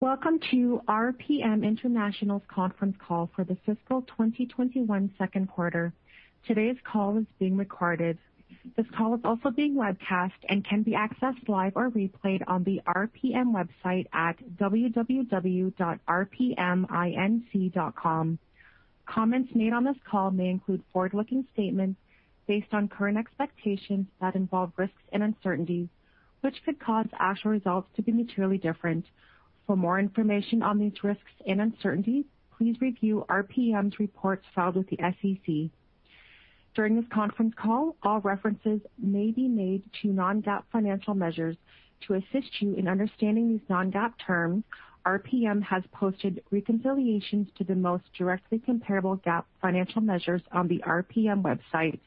Welcome to RPM International's conference call for the fiscal 2021 second quarter. Today's call is being recorded. This call is also being webcast and can be accessed live or replayed on the RPM website at www.rpminc.com. Comments made on this call may include forward-looking statements based on current expectations that involve risks and uncertainties, which could cause actual results to be materially different. For more information on these risks and uncertainties, please review RPM's reports filed with the SEC. During this conference call, all references may be made to non-GAAP financial measures. To assist you in understanding these non-GAAP terms, RPM has posted reconciliations to the most directly comparable GAAP financial measures on the RPM website.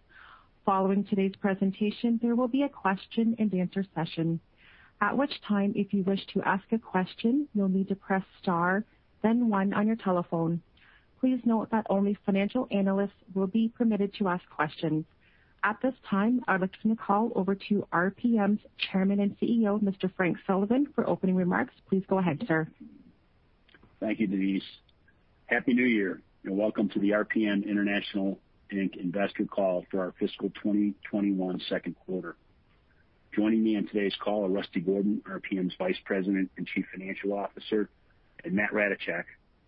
Following today's presentation, there will be a question-and-answer session. At which time, if you wish to ask a question, you'll need to press star, then one on your telephone. Please note that only financial analysts will be permitted to ask questions. At this time, I'd like to turn the call over to RPM's Chairman and CEO, Mr. Frank Sullivan, for opening remarks. Please go ahead, sir. Thank you, Denise. Happy New Year, welcome to the RPM International Inc. investor call for our fiscal 2021 second quarter. Joining me on today's call are Rusty Gordon, RPM's Vice President and Chief Financial Officer, and Matt Ratajczak,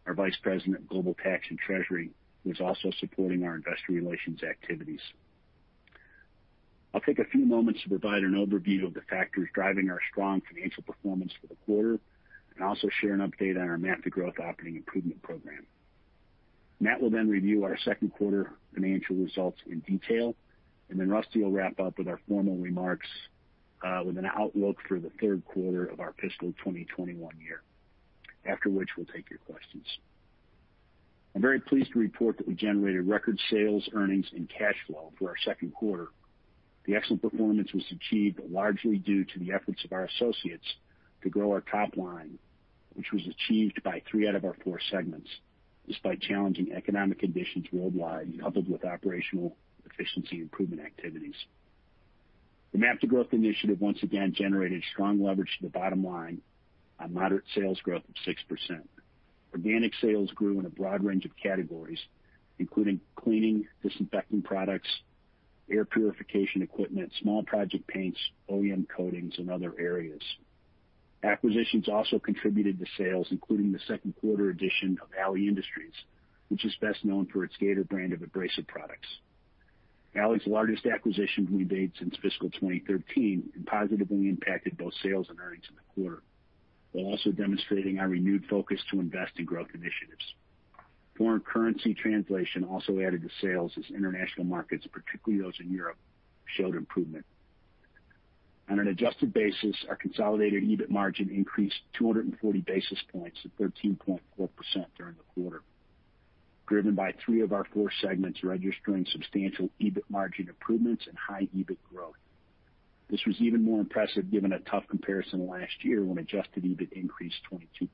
our Vice President of Global Tax and Treasury, who is also supporting our investor relations activities. I'll take a few moments to provide an overview of the factors driving our strong financial performance for the quarter, and also share an update on our MAP to Growth operating improvement program. Matt will then review our second quarter financial results in detail, and then Rusty will wrap up with our formal remarks, with an outlook for the third quarter of our fiscal 2021 year. After which, we'll take your questions. I'm very pleased to report that we generated record sales, earnings, and cash flow for our second quarter. The excellent performance was achieved largely due to the efforts of our associates to grow our top line, which was achieved by three out of our four segments, despite challenging economic conditions worldwide and coupled with operational efficiency improvement activities. The MAP to Growth initiative once again generated strong leverage to the bottom line on moderate sales growth of 6%. Organic sales grew in a broad range of categories, including cleaning, disinfecting products, air purification equipment, small project paints, OEM coatings, and other areas. Acquisitions also contributed to sales, including the second quarter addition of Ali Industries, which is best known for its Gator brand of abrasive products. Ali is the largest acquisition we've made since fiscal 2013 and positively impacted both sales and earnings in the quarter, while also demonstrating our renewed focus to invest in growth initiatives. Foreign currency translation also added to sales as international markets, particularly those in Europe, showed improvement. On an adjusted basis, our consolidated EBIT margin increased 240 basis points to 13.4% during the quarter, driven by three of our four segments registering substantial EBIT margin improvements and high EBIT growth. This was even more impressive given a tough comparison to last year when adjusted EBIT increased 22%.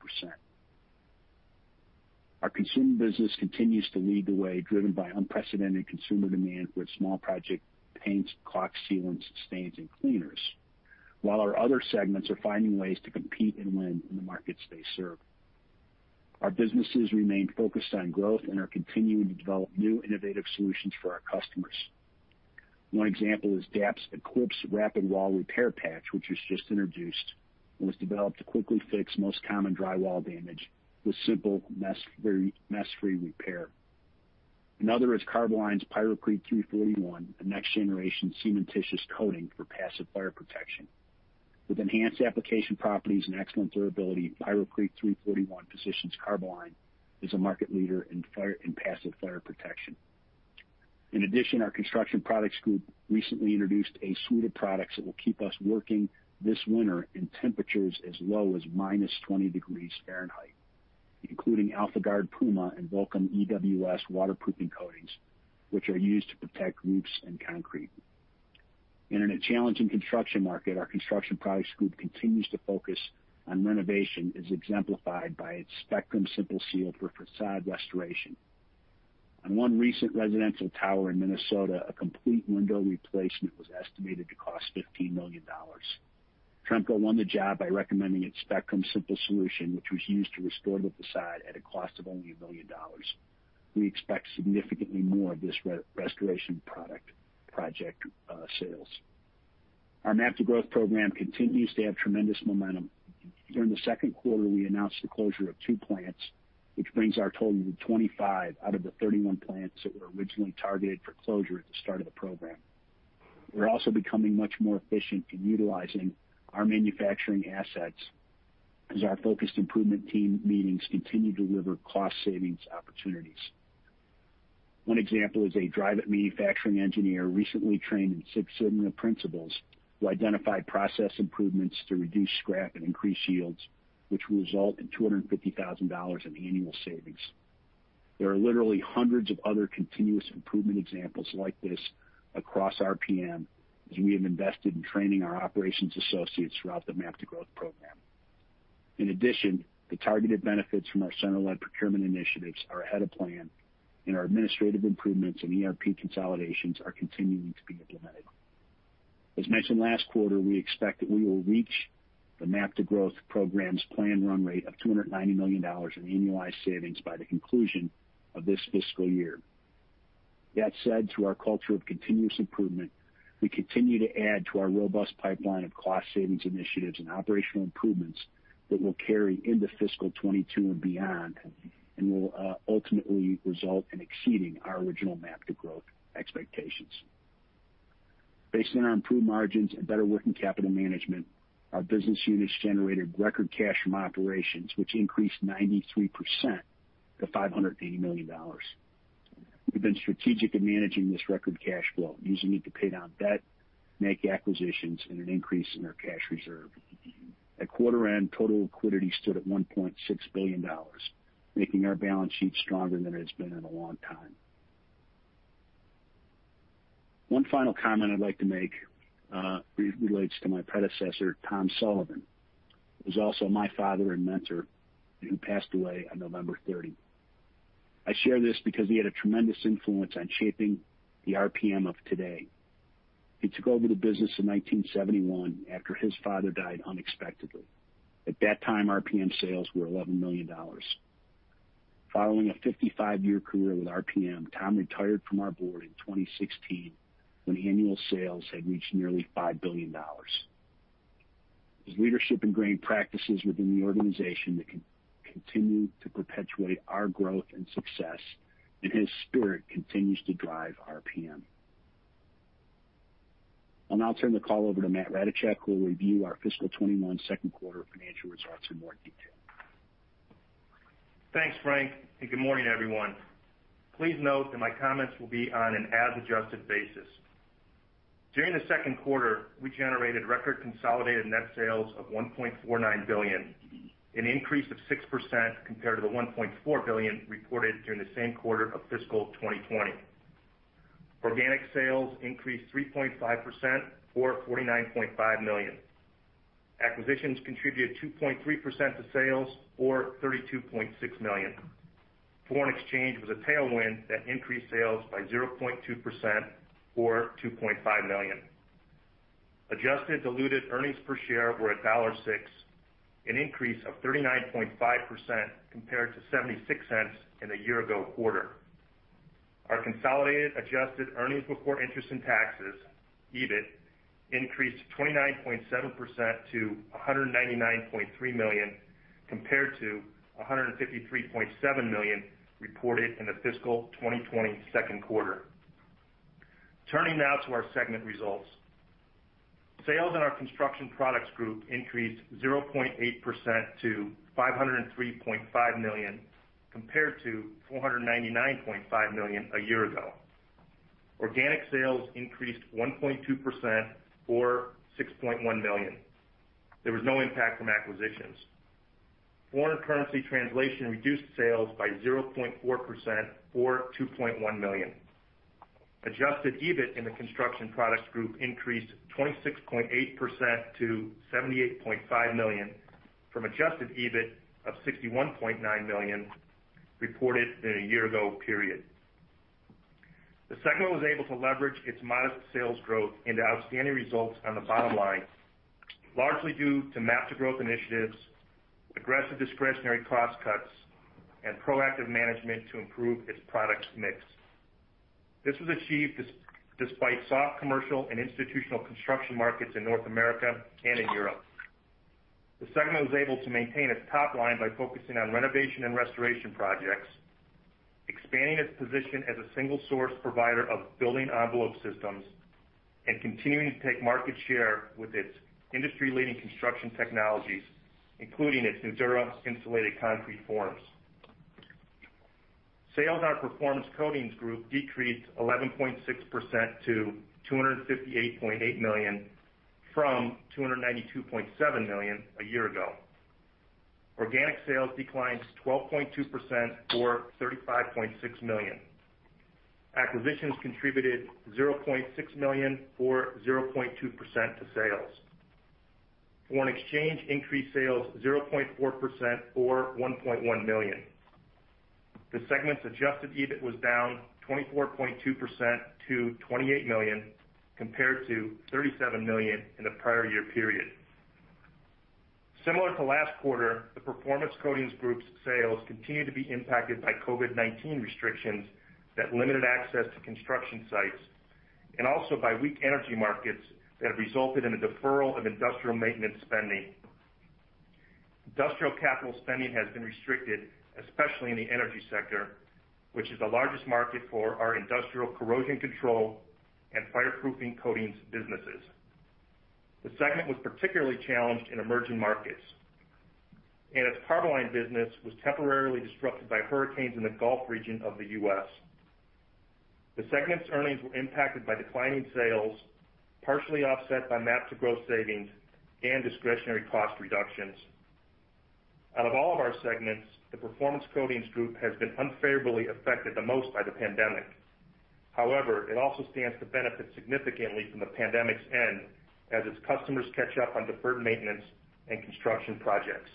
Our consumer business continues to lead the way, driven by unprecedented consumer demand for its small project paints, caulk, sealants, stains, and cleaners. While our other segments are finding ways to compete and win in the markets they serve. Our businesses remain focused on growth and are continuing to develop new innovative solutions for our customers. One example is DAP's Eclipse Rapid Wall Repair Patch, which was just introduced and was developed to quickly fix most common drywall damage with simple, mess-free repair. Another is Carboline's Pyrocrete 341, a next generation cementitious coating for passive fire protection. With enhanced application properties and excellent durability, Pyrocrete 341 positions Carboline as a market leader in passive fire protection. Our Construction Products Group recently introduced a suite of products that will keep us working this winter in temperatures as low as -20 degrees Fahrenheit, including AlphaGuard PUMA and Vulkem EWS waterproofing coatings, which are used to protect roofs and concrete. In a challenging construction market, our Construction Products Group continues to focus on renovation, as exemplified by its Spectrem Simple Seal for facade restoration. On one recent residential tower in Minnesota, a complete window replacement was estimated to cost $15 million. Tremco won the job by recommending its Spectrem Simple Seal, which was used to restore the facade at a cost of only $1 million. We expect significantly more of this restoration project sales. Our MAP to Growth program continues to have tremendous momentum. During the second quarter, we announced the closure of two plants, which brings our total to 25 out of the 31 plants that were originally targeted for closure at the start of the program. We're also becoming much more efficient in utilizing our manufacturing assets as our focused improvement team meetings continue to deliver cost savings opportunities. One example is a Dryvit manufacturing engineer recently trained in Six Sigma principles who identified process improvements to reduce scrap and increase yields, which will result in $250,000 in annual savings. There are literally hundreds of other continuous improvement examples like this across RPM as we have invested in training our operations associates throughout the MAP to Growth program. In addition, the targeted benefits from our center-led procurement initiatives are ahead of plan, and our administrative improvements and ERP consolidations are continuing to be implemented. As mentioned last quarter, we expect that we will reach the MAP to Growth program's planned run rate of $290 million in annualized savings by the conclusion of this fiscal year. That said, through our culture of continuous improvement, we continue to add to our robust pipeline of cost savings initiatives and operational improvements that will carry into fiscal 2022 and beyond, and will ultimately result in exceeding our original MAP to Growth expectations. Based on our improved margins and better working capital management, our business units generated record cash from operations, which increased 93% to $580 million. We've been strategic in managing this record cash flow, using it to pay down debt, make acquisitions, and an increase in our cash reserve. At quarter end, total liquidity stood at $1.6 billion, making our balance sheet stronger than it's been in a long time. One final comment I'd like to make relates to my predecessor, Tom Sullivan, who's also my father and mentor, who passed away on November 30. I share this because he had a tremendous influence on shaping the RPM of today. He took over the business in 1971 after his father died unexpectedly. At that time, RPM sales were $11 million. Following a 55-year career with RPM, Tom retired from our board in 2016 when annual sales had reached nearly $5 billion. His leadership ingrained practices within the organization that continue to perpetuate our growth and success, and his spirit continues to drive RPM. I'll now turn the call over to Matt Ratajczak, who will review our fiscal 2021 second quarter financial results in more detail. Thanks, Frank, good morning, everyone. Please note that my comments will be on an as-adjusted basis. During the second quarter, we generated record consolidated net sales of $1.49 billion, an increase of 6% compared to the $1.4 billion reported during the same quarter of fiscal 2020. Organic sales increased 3.5%, or $49.5 million. Acquisitions contributed 2.3% to sales, or $32.6 million. Foreign exchange was a tailwind that increased sales by 0.2%, or $2.5 million. Adjusted diluted earnings per share were $1.06, an increase of 39.5% compared to $0.76 in the year ago quarter. Our consolidated adjusted earnings before interest and taxes, EBIT, increased 29.7% to $199.3 million, compared to $153.7 million reported in the fiscal 2020 second quarter. Turning now to our segment results. Sales in our Construction Products Group increased 0.8% to $503.5 million, compared to $499.5 million a year ago. Organic sales increased 1.2%, or $6.1 million. There was no impact from acquisitions. Foreign currency translation reduced sales by 0.4%, or $2.1 million. Adjusted EBIT in the Construction Products Group increased 26.8% to $78.5 million from adjusted EBIT of $61.9 million reported in the year ago period. The segment was able to leverage its modest sales growth into outstanding results on the bottom line, largely due to MAP to Growth initiatives, aggressive discretionary cost cuts, and proactive management to improve its product mix. This was achieved despite soft commercial and institutional construction markets in North America and in Europe. The segment was able to maintain its top line by focusing on renovation and restoration projects, expanding its position as a single source provider of building envelope systems, and continuing to take market share with its industry-leading construction technologies, including its Nudura insulated concrete forms. Sales in our Performance Coatings Group decreased 11.6% to $258.8 million from $292.7 million a year ago. Organic sales declined 12.2%, or $35.6 million. Acquisitions contributed $0.6 million or 0.2% to sales. Foreign exchange increased sales 0.4%, or $1.1 million. The segment's adjusted EBIT was down 24.2% to $28 million, compared to $37 million in the prior year period. Similar to last quarter, the Performance Coatings Group's sales continued to be impacted by COVID-19 restrictions that limited access to construction sites, and also by weak energy markets that have resulted in a deferral of industrial maintenance spending. Industrial capital spending has been restricted, especially in the energy sector, which is the largest market for our industrial corrosion control and fireproofing coatings businesses. The segment was particularly challenged in emerging markets, and its Carboline business was temporarily disrupted by hurricanes in the Gulf region of the U.S. The segment's earnings were impacted by declining sales, partially offset by MAP to Growth savings and discretionary cost reductions. Out of all of our segments, the Performance Coatings Group has been unfavorably affected the most by the pandemic. It also stands to benefit significantly from the pandemic's end as its customers catch up on deferred maintenance and construction projects.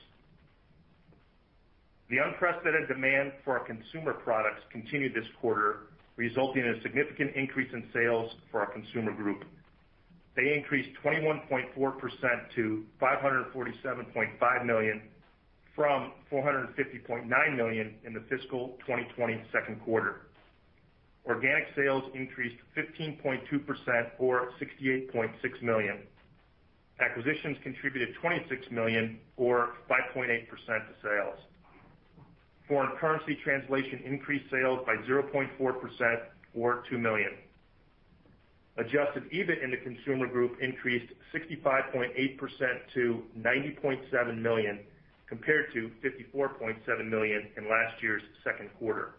The unprecedented demand for our consumer products continued this quarter, resulting in a significant increase in sales for our Consumer Group. They increased 21.4% to $547.5 million from $450.9 million in the fiscal 2020 second quarter. Organic sales increased 15.2%, or $68.6 million. Acquisitions contributed $26 million or 5.8% of sales. Foreign currency translation increased sales by 0.4%, or $2 million. Adjusted EBIT in the Consumer Group increased 65.8% to $90.7 million, compared to $54.7 million in last year's second quarter.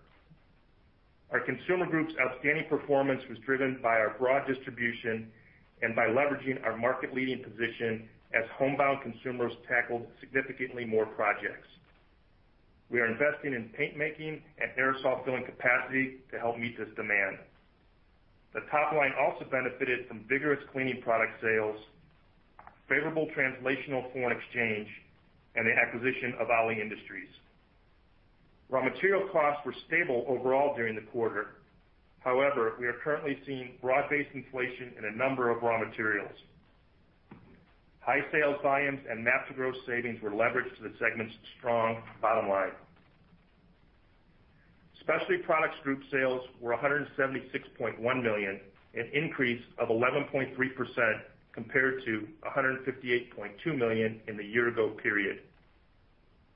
Our Consumer Group's outstanding performance was driven by our broad distribution and by leveraging our market-leading position as homebound consumers tackled significantly more projects. We are investing in paint making and aerosol filling capacity to help meet this demand. The top line also benefited from vigorous cleaning product sales, favorable translational foreign exchange, and the acquisition of Ali Industries. Raw material costs were stable overall during the quarter. However, we are currently seeing broad-based inflation in a number of raw materials. High sales volumes and MAP to Growth savings were leveraged to the segment's strong bottom line. Specialty Products Group sales were $176.1 million, an increase of 11.3% compared to $158.2 million in the year ago period.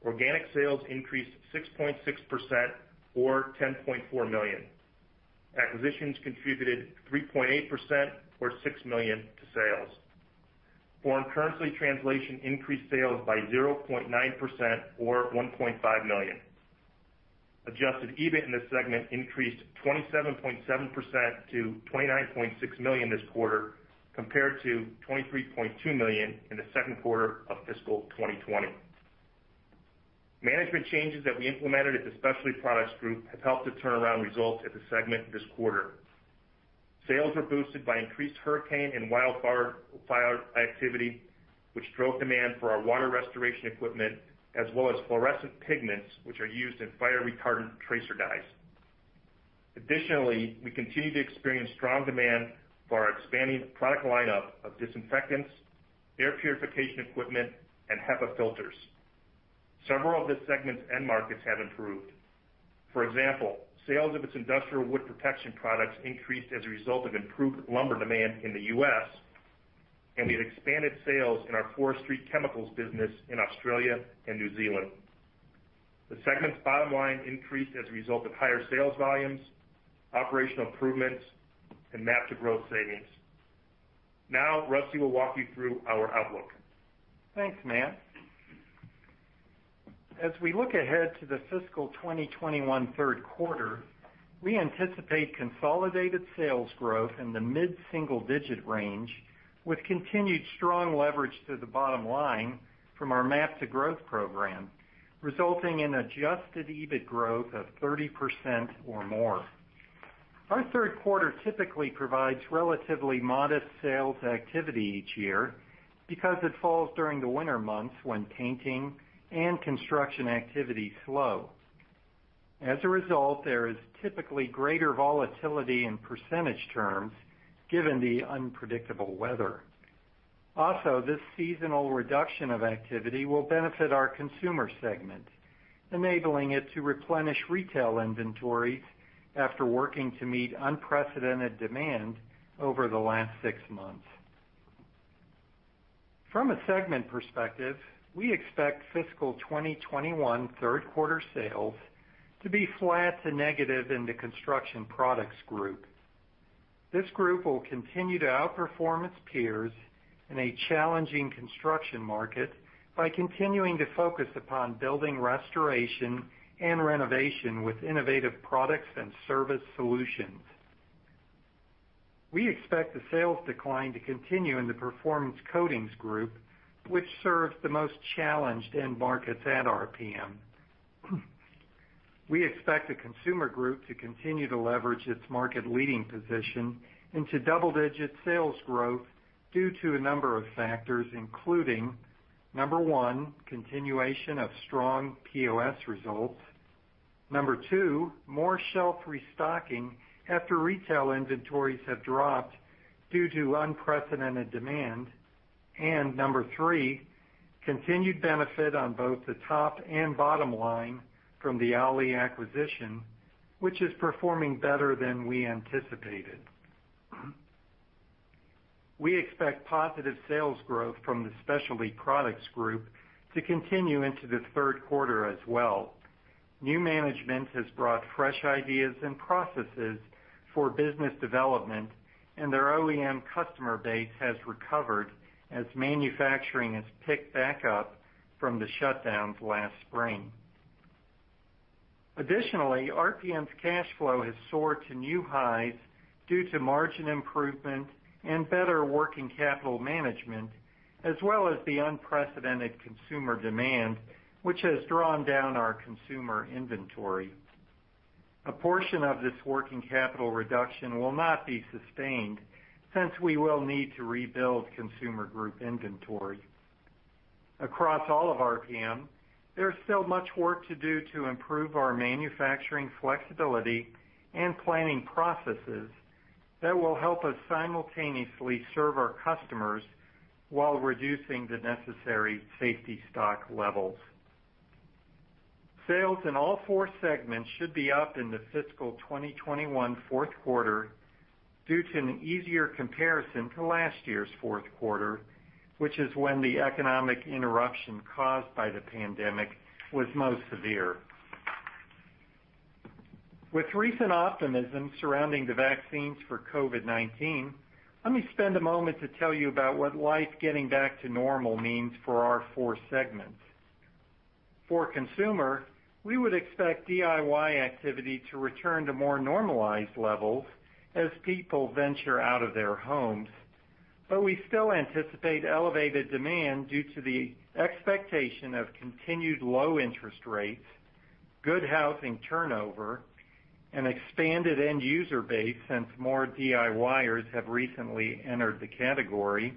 Organic sales increased 6.6%, or $10.4 million. Acquisitions contributed 3.8%, or $6 million to sales. Foreign currency translation increased sales by 0.9%, or $1.5 million. Adjusted EBIT in this segment increased 27.7% to $29.6 million this quarter, compared to $23.2 million in the second quarter of fiscal 2020. Management changes that we implemented at the Specialty Products Group have helped to turn around results at the segment this quarter. Sales were boosted by increased hurricane and wildfire activity, which drove demand for our water restoration equipment, as well as fluorescent pigments, which are used in fire retardant tracer dyes. Additionally, we continue to experience strong demand for our expanding product lineup of disinfectants, air purification equipment, and HEPA filters. Several of this segment's end markets have improved. For example, sales of its industrial wood protection products increased as a result of improved lumber demand in the U.S., and we have expanded sales in our forestry chemicals business in Australia and New Zealand. The segment's bottom line increased as a result of higher sales volumes, operational improvements, and MAP to Growth savings. Rusty will walk you through our outlook. Thanks, Matt. As we look ahead to the fiscal 2021 third quarter, we anticipate consolidated sales growth in the mid-single-digit range, with continued strong leverage to the bottom line from our MAP to Growth program, resulting in adjusted EBIT growth of 30% or more. Our third quarter typically provides relatively modest sales activity each year because it falls during the winter months when painting and construction activity slow. As a result, there is typically greater volatility in percentage terms given the unpredictable weather. Also, this seasonal reduction of activity will benefit our Consumer Group, enabling it to replenish retail inventories after working to meet unprecedented demand over the last six months. From a segment perspective, we expect fiscal 2021 third quarter sales to be flat to negative in the Construction Products Group. This group will continue to outperform its peers in a challenging construction market by continuing to focus upon building restoration and renovation with innovative products and service solutions. We expect the sales decline to continue in the Performance Coatings Group, which serves the most challenged end markets at RPM. We expect the Consumer Group to continue to leverage its market-leading position into double-digit sales growth due to a number of factors, including, number one, continuation of strong POS results; number two, more shelf restocking after retail inventories have dropped due to unprecedented demand; and number three, continued benefit on both the top and bottom line from the Ali acquisition, which is performing better than we anticipated. We expect positive sales growth from the Specialty Products Group to continue into the third quarter as well. New management has brought fresh ideas and processes for business development, and their OEM customer base has recovered as manufacturing has picked back up from the shutdowns last spring. Additionally, RPM's cash flow has soared to new highs due to margin improvement and better working capital management, as well as the unprecedented consumer demand, which has drawn down our consumer inventory. A portion of this working capital reduction will not be sustained since we will need to rebuild Consumer Group inventory. Across all of RPM, there's still much work to do to improve our manufacturing flexibility and planning processes that will help us simultaneously serve our customers while reducing the necessary safety stock levels. Sales in all four segments should be up in the fiscal 2021 fourth quarter due to an easier comparison to last year's fourth quarter, which is when the economic interruption caused by the pandemic was most severe. With recent optimism surrounding the vaccines for COVID-19, let me spend a moment to tell you about what life getting back to normal means for our four segments. For Consumer Group, we would expect DIY activity to return to more normalized levels as people venture out of their homes. We still anticipate elevated demand due to the expectation of continued low interest rates, good housing turnover, an expanded end-user base since more DIYers have recently entered the category,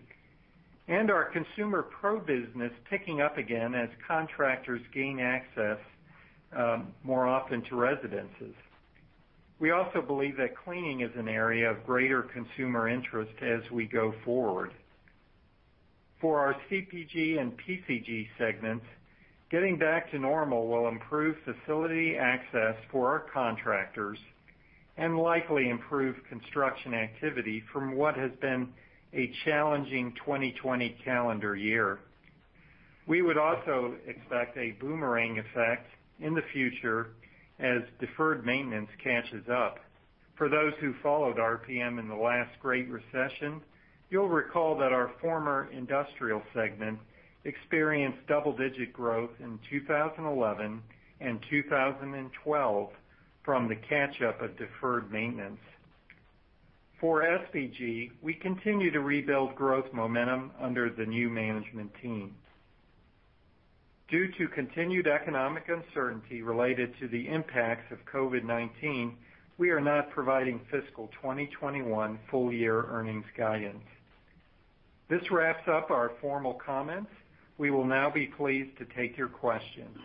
and our consumer pro business picking up again as contractors gain access more often to residences. We also believe that cleaning is an area of greater consumer interest as we go forward. For our CPG and PCG segments, getting back to normal will improve facility access for our contractors and likely improve construction activity from what has been a challenging 2020 calendar year. We would also expect a boomerang effect in the future as deferred maintenance catches up. For those who followed RPM in the last great recession, you'll recall that our former industrial segment experienced double-digit growth in 2011 and 2012 from the catch-up of deferred maintenance. For SPG, we continue to rebuild growth momentum under the new management team. Due to continued economic uncertainty related to the impacts of COVID-19, we are not providing fiscal 2021 full-year earnings guidance. This wraps up our formal comments. We will now be pleased to take your questions.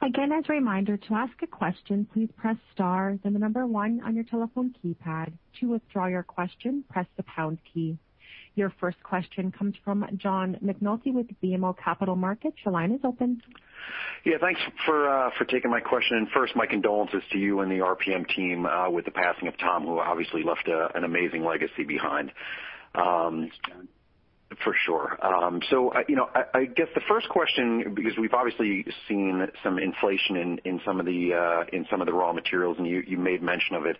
Again, as a reminder, to ask a question, please press star, then the number one on your telephone keypad. To withdraw your question, press the pound key. Your first question comes from John McNulty with BMO Capital Markets. Your line is open. Yeah, thanks for taking my question. First, my condolences to you and the RPM team with the passing of Tom, who obviously left an amazing legacy behind. Thanks, John. For sure. I guess the first question, because we've obviously seen some inflation in some of the raw materials, and you made mention of it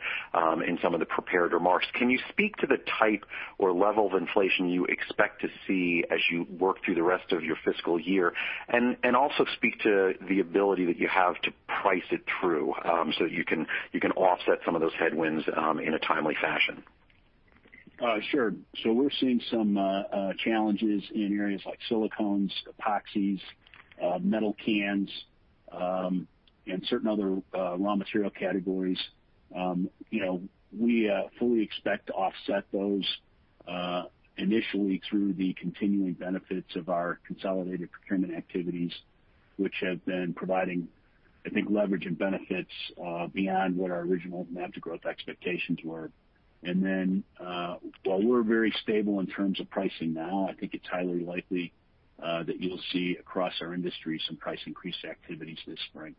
in some of the prepared remarks. Can you speak to the type or level of inflation you expect to see as you work through the rest of your fiscal year? Also speak to the ability that you have to price it through, so that you can offset some of those headwinds in a timely fashion. Sure. We're seeing some challenges in areas like silicones, epoxies, metal cans, and certain other raw material categories. We fully expect to offset those initially through the continuing benefits of our consolidated procurement activities, which have been providing, I think, leverage and benefits beyond what our original MAP to Growth expectations were. While we're very stable in terms of pricing now, I think it's highly likely that you'll see across our industry some price increase activities this spring.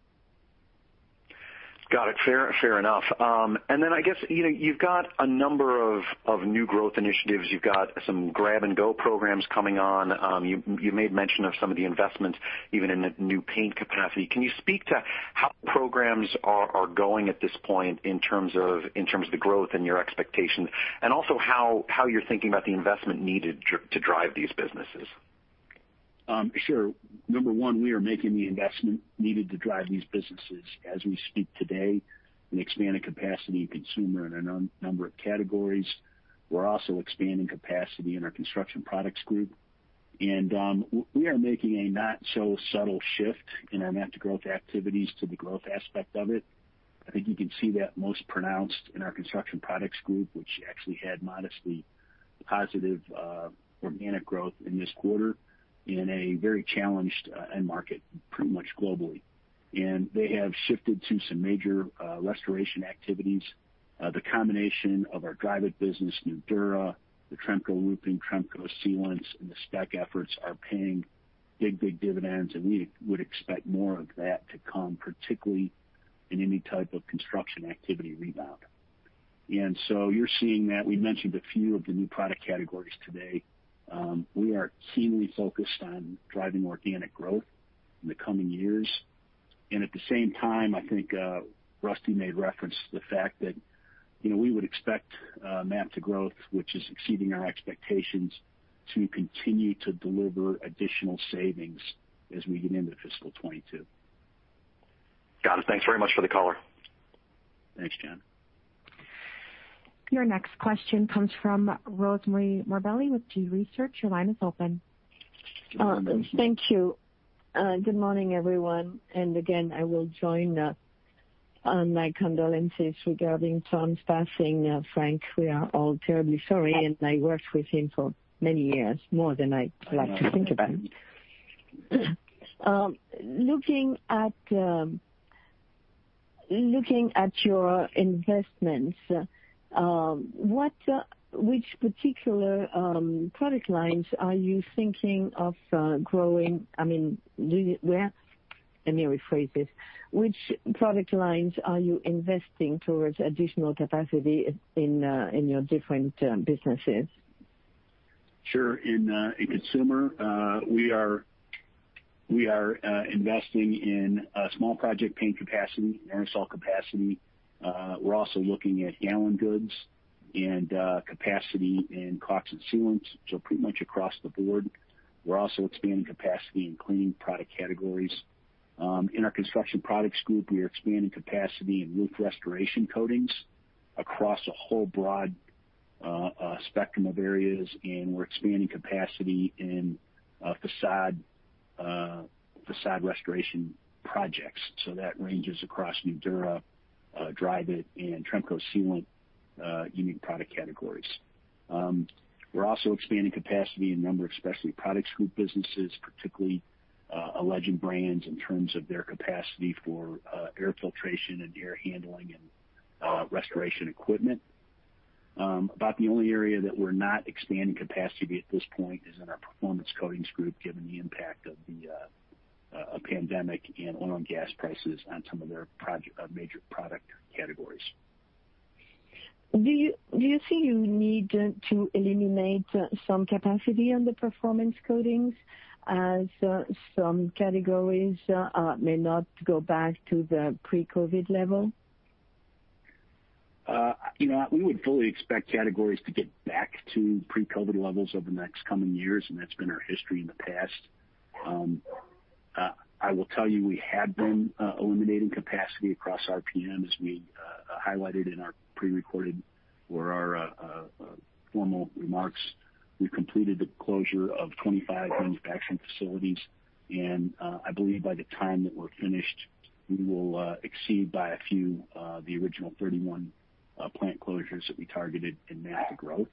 Got it. Fair enough. I guess, you've got a number of new growth initiatives. You've got some grab-and-go programs coming on. You made mention of some of the investments, even in the new paint capacity. Can you speak to how programs are going at this point in terms of the growth and your expectations, and also how you're thinking about the investment needed to drive these businesses? Sure. Number one, we are making the investment needed to drive these businesses. As we speak today, we expand the capacity in Consumer in a number of categories. We're also expanding capacity in our Construction Products Group. We are making a not-so-subtle shift in our MAP to Growth activities to the growth aspect of it. I think you can see that most pronounced in our Construction Products Group, which actually had modestly positive organic growth in this quarter in a very challenged end market, pretty much globally. They have shifted to some major restoration activities. The combination of our Dryvit business, Nudura, the Tremco roofing, Tremco Sealants, and the spec efforts are paying big dividends, and we would expect more of that to come, particularly in any type of construction activity rebound. You're seeing that. We mentioned a few of the new product categories today. We are keenly focused on driving organic growth in the coming years. At the same time, I think Rusty made reference to the fact that we would expect MAP to Growth, which is exceeding our expectations, to continue to deliver additional savings as we get into fiscal 2022. Got it. Thanks very much for the color. Thanks, John. Your next question comes from Rosemarie Morbelli with G.research. Your line is open. Thank you. Good morning, everyone. Again, I will join on my condolences regarding Tom's passing. Frank, we are all terribly sorry, and I worked with him for many years, more than I like to think about. Looking at your investments, which particular product lines are you thinking of growing? Let me rephrase this. Which product lines are you investing towards additional capacity in your different businesses? Sure. In consumer, we are investing in small project paint capacity and aerosol capacity. We're also looking at gallon goods and capacity in caulks and sealants. Pretty much across the board. We're also expanding capacity in cleaning product categories. In our Construction Products Group, we are expanding capacity in roof restoration coatings across a whole broad spectrum of areas, and we're expanding capacity in facade restoration projects. That ranges across Nudura, Dryvit, and Tremco Sealant unique product categories. We're also expanding capacity in a number of Specialty Products Group businesses, particularly Legend Brands, in terms of their capacity for air filtration and air handling and restoration equipment. About the only area that we're not expanding capacity at this point is in our Performance Coatings Group, given the impact of the pandemic and oil and gas prices on some of their major product categories. Do you see you need to eliminate some capacity on the Performance Coatings as some categories may not go back to the pre-COVID level? We would fully expect categories to get back to pre-COVID levels over the next coming years. That's been our history in the past. I will tell you, we have been eliminating capacity across RPM, as we highlighted in our prerecorded or our formal remarks. We completed the closure of 25 manufacturing facilities. I believe by the time that we're finished, we will exceed by a few the original 31 plant closures that we targeted in MAP to Growth.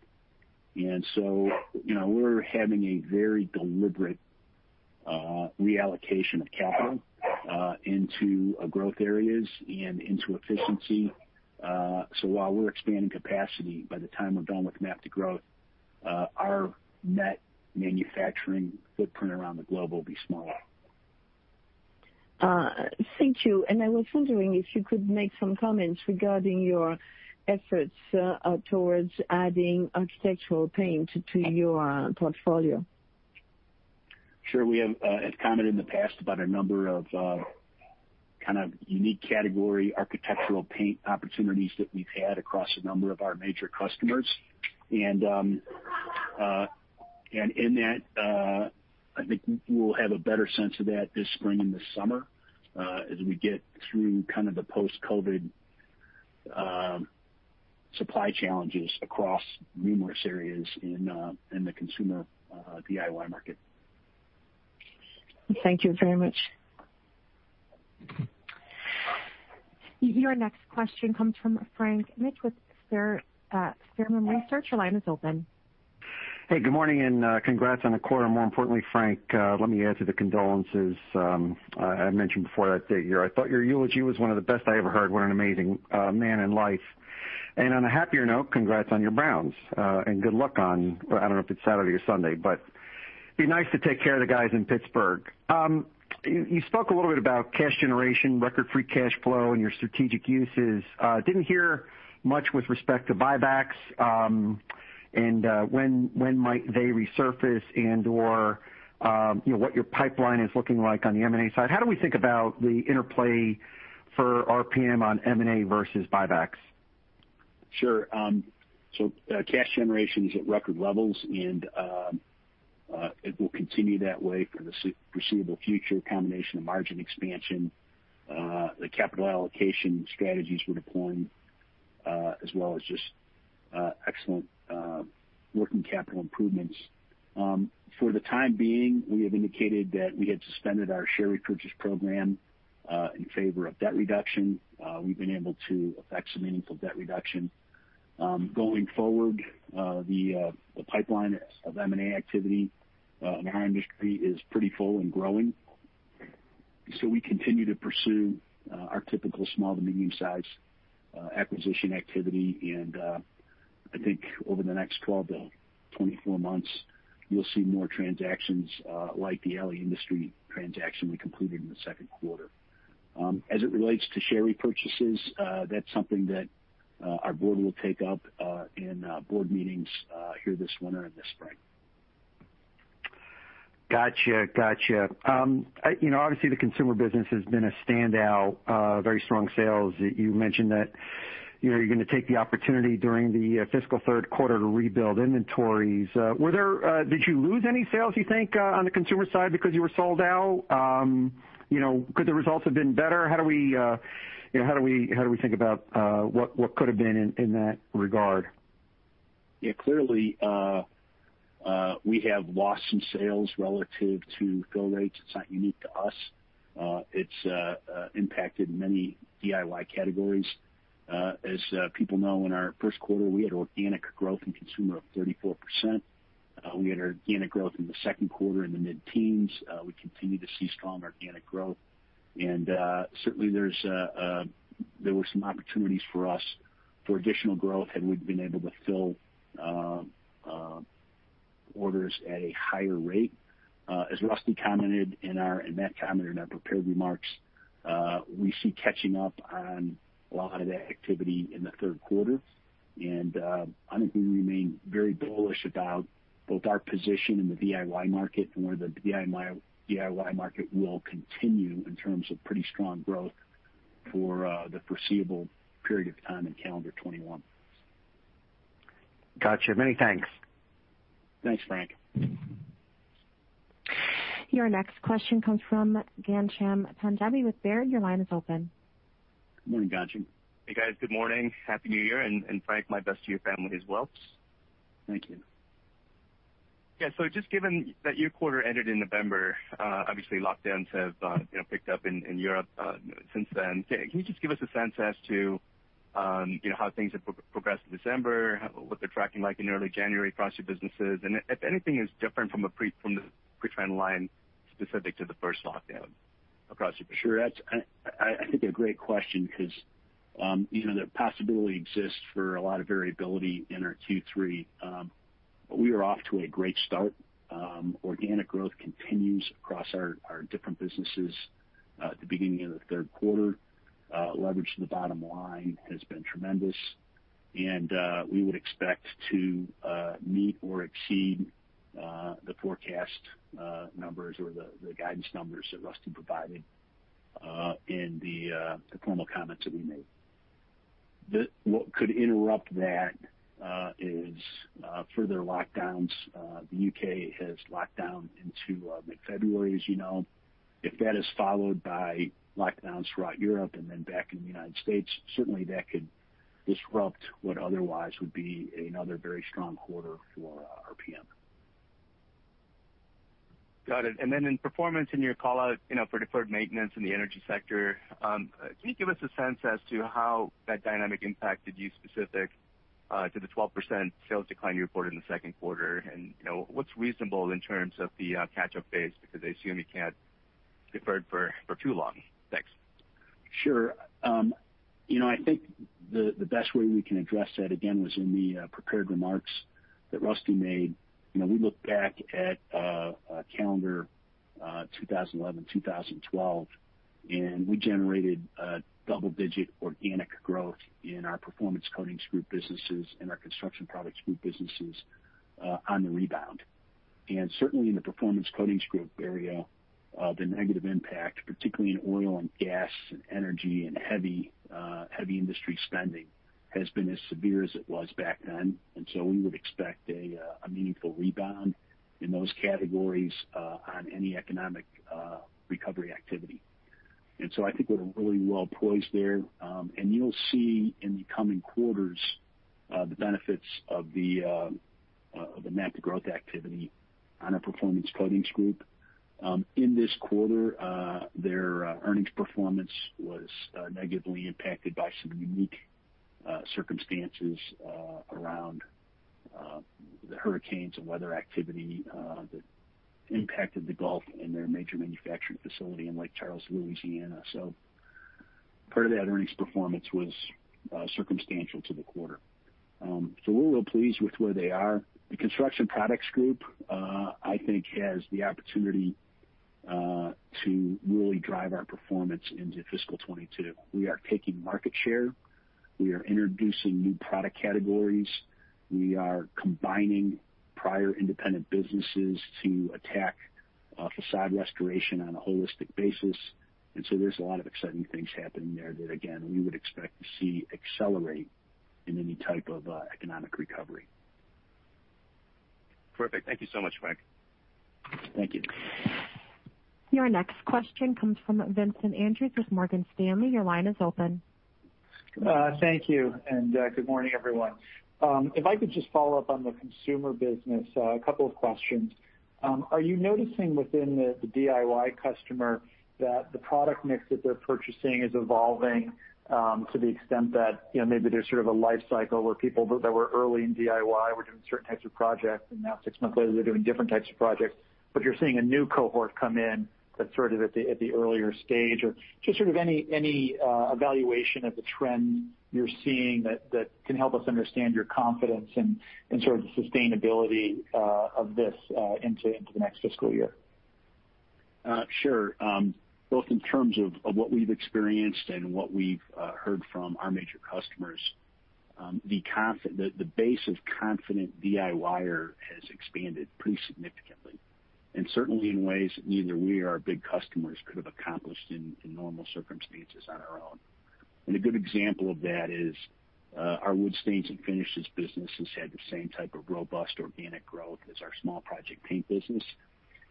We're having a very deliberate reallocation of capital into growth areas and into efficiency. While we're expanding capacity, by the time we're done with MAP to Growth, our net manufacturing footprint around the globe will be smaller. Thank you. I was wondering if you could make some comments regarding your efforts towards adding architectural paint to your portfolio. Sure. We have commented in the past about a number of kind of unique category architectural paint opportunities that we've had across a number of our major customers. In that, I think we'll have a better sense of that this spring and this summer as we get through kind of the post-COVID supply challenges across numerous areas in the consumer DIY market. Thank you very much. Your next question comes from Frank Mitsch with Fermium Research. Your line is open. Hey, good morning and congrats on the quarter. More importantly, Frank, let me add to the condolences. I mentioned before that I thought your eulogy was one of the best I ever heard. What an amazing man and life. On a happier note, congrats on your balance. Good luck on, I don't know if it's Saturday or Sunday, but it'd be nice to take care of the guys in Pittsburgh. You spoke a little bit about cash generation, record free cash flow and your strategic uses. Didn't hear much with respect to buybacks, and when might they resurface and/or what your pipeline is looking like on the M&A side. How do we think about the interplay for RPM on M&A versus buybacks? Sure. Cash generation is at record levels, and it will continue that way for the foreseeable future. Combination of margin expansion, the capital allocation strategies we're deploying, as well as just excellent working capital improvements. For the time being, we have indicated that we had suspended our share repurchase program in favor of debt reduction. We've been able to effect some meaningful debt reduction. Going forward, the pipeline of M&A activity in our industry is pretty full and growing. We continue to pursue our typical small to medium size acquisition activity, and I think over the next 12-24 months, you'll see more transactions like the Ali Industries transaction we completed in the second quarter. As it relates to share repurchases, that's something that our Board will take up in Board meetings here this winter and this spring. Got you. Obviously, the consumer business has been a standout. Very strong sales. You mentioned that you're going to take the opportunity during the fiscal third quarter to rebuild inventories. Did you lose any sales, you think, on the consumer side because you were sold out? Could the results have been better? How do we think about what could've been in that regard? Yeah, clearly, we have lost some sales relative to fill rates. It's not unique to us. It's impacted many DIY categories. As people know, in our first quarter, we had organic growth in Consumer of 34%. We had organic growth in the second quarter in the mid-teens. We continue to see strong organic growth. Certainly there were some opportunities for us for additional growth had we been able to fill orders at a higher rate. As Rusty commented and Matt commented in our prepared remarks, we see catching up on a lot of that activity in the third quarter. I think we remain very bullish about both our position in the DIY market and where the DIY market will continue in terms of pretty strong growth for the foreseeable period of time in calendar 2021. Got you. Many thanks. Thanks, Frank. Your next question comes from Ghansham Panjabi with Baird. Your line is open. Good morning, Ghansham. Hey, guys. Good morning. Happy New Year. Frank, my best to your family as well. Thank you. Yeah. Just given that your quarter ended in November, obviously lockdowns have picked up in Europe since then. Can you just give us a sense as to how things have progressed in December, what they're tracking like in early January across your businesses, and if anything is different from the pre-trend line specific to the first lockdown across your? Sure. That's, I think, a great question because the possibility exists for a lot of variability in our Q3. We are off to a great start. Organic growth continues across our different businesses at the beginning of the third quarter. Leverage to the bottom line has been tremendous, and we would expect to meet or exceed the forecast numbers or the guidance numbers that Rusty provided in the formal comments that we made. What could interrupt that is further lockdowns. The U.K. has locked down into mid-February, as you know. If that is followed by lockdowns throughout Europe and then back in the United States, certainly that could disrupt what otherwise would be another very strong quarter for RPM. Got it. In performance in your callout for deferred maintenance in the energy sector, can you give us a sense as to how that dynamic impacted you specific to the 12% sales decline you reported in the second quarter? What's reasonable in terms of the catch-up phase? Because I assume you can't defer it for too long. Thanks. Sure. I think the best way we can address that, again, was in the prepared remarks that Rusty made. We generated double-digit organic growth in our Performance Coatings Group businesses and our Construction Products Group businesses on the rebound. Certainly in the Performance Coatings Group area, the negative impact, particularly in oil and gas and energy and heavy industry spending, has been as severe as it was back then. We would expect a meaningful rebound in those categories on any economic recovery activity. I think we're really well-poised there. You'll see in the coming quarters, the benefits of the MAP to Growth activity on our Performance Coatings Group. In this quarter, their earnings performance was negatively impacted by some unique circumstances around the hurricanes and weather activity that impacted the Gulf and their major manufacturing facility in Lake Charles, Louisiana. Part of that earnings performance was circumstantial to the quarter. We're well pleased with where they are. The Construction Products Group, I think, has the opportunity to really drive our performance into fiscal 2022. We are taking market share. We are introducing new product categories. We are combining prior independent businesses to attack facade restoration on a holistic basis. There's a lot of exciting things happening there that, again, we would expect to see accelerate in any type of economic recovery. Perfect. Thank you so much, Frank. Thank you. Your next question comes from Vincent Andrews with Morgan Stanley. Your line is open. Thank you, and good morning, everyone. If I could just follow up on the consumer business, a couple of questions. Are you noticing within the DIY customer that the product mix that they're purchasing is evolving to the extent that maybe there's sort of a life cycle where people that were early in DIY were doing certain types of projects, and now six months later, they're doing different types of projects, but you're seeing a new cohort come in that's sort of at the earlier stage? Just sort of any evaluation of the trend you're seeing that can help us understand your confidence and sort of the sustainability of this into the next fiscal year? Sure. Both in terms of what we've experienced and what we've heard from our major customers, the base of confident DIYer has expanded pretty significantly, and certainly in ways that neither we or our big customers could have accomplished in normal circumstances on our own. A good example of that is our wood stains and finishes business has had the same type of robust organic growth as our small project paint business.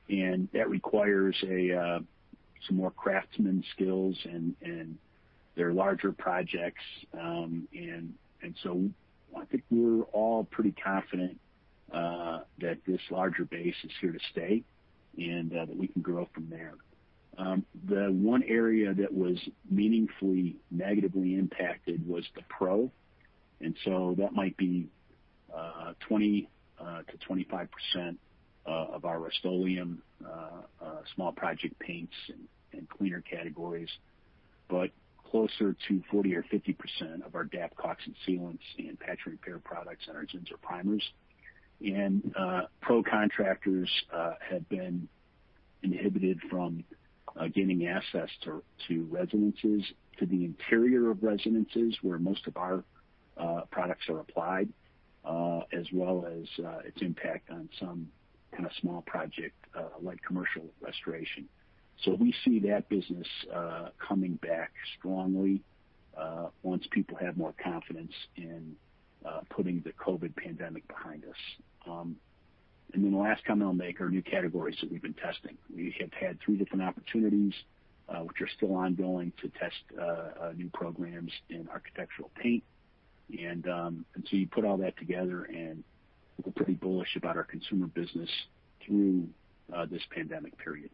That requires some more craftsman skills and they're larger projects. So I think we're all pretty confident that this larger base is here to stay, and that we can grow from there. The one area that was meaningfully negatively impacted was the pro. That might be 20%-25% of our Rust-Oleum small project paints and cleaner categories, but closer to 40% or 50% of our DAP caulk and sealants and patch repair products and our Zinsser primers. Pro contractors have been inhibited from gaining access to residences, to the interior of residences, where most of our products are applied, as well as its impact on some kind of small project, like commercial restoration. We see that business coming back strongly once people have more confidence in putting the COVID pandemic behind us. The last comment I'll make are new categories that we've been testing. We have had three different opportunities, which are still ongoing, to test new programs in architectural paint. You put all that together, and we're pretty bullish about our consumer business through this pandemic period.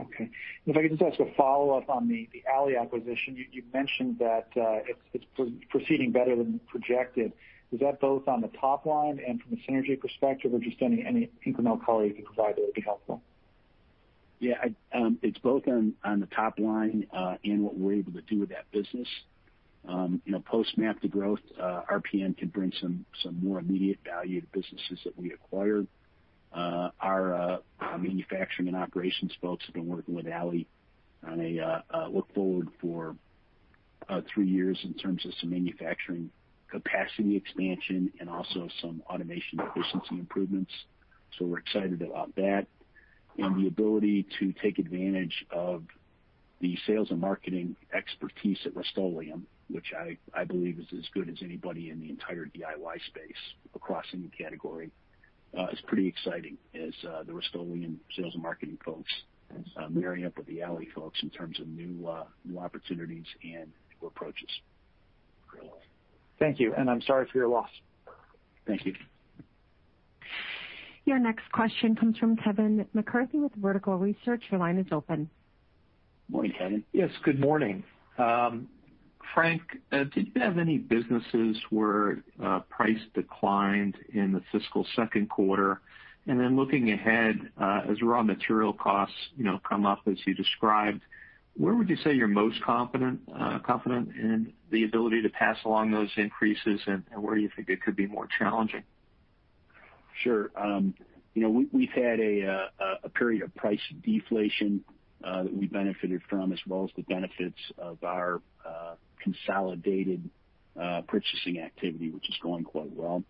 Okay. If I could just ask a follow-up on the Ali acquisition. You mentioned that it's proceeding better than projected. Is that both on the top line and from a synergy perspective, or just any incremental color you can provide that would be helpful? It's both on the top line, and what we're able to do with that business. Post MAP to Growth, RPM can bring some more immediate value to businesses that we acquired. Our manufacturing and operations folks have been working with Ali on a look forward for three years in terms of some manufacturing capacity expansion and also some automation efficiency improvements. We're excited about that. The ability to take advantage of the sales and marketing expertise at Rust-Oleum, which I believe is as good as anybody in the entire DIY space across any category, is pretty exciting as the Rust-Oleum sales and marketing folks marrying up with the Ali folks in terms of new opportunities and new approaches. Great. Thank you, and I'm sorry for your loss. Thank you. Your next question comes from Kevin McCarthy with Vertical Research. Your line is open. Morning, Kevin. Yes, good morning. Frank, did you have any businesses where price declined in the fiscal second quarter? Looking ahead, as raw material costs come up as you described, where would you say you're most confident in the ability to pass along those increases and where you think it could be more challenging? Sure. We've had a period of price deflation that we benefited from, as well as the benefits of our consolidated purchasing activity, which is going quite well.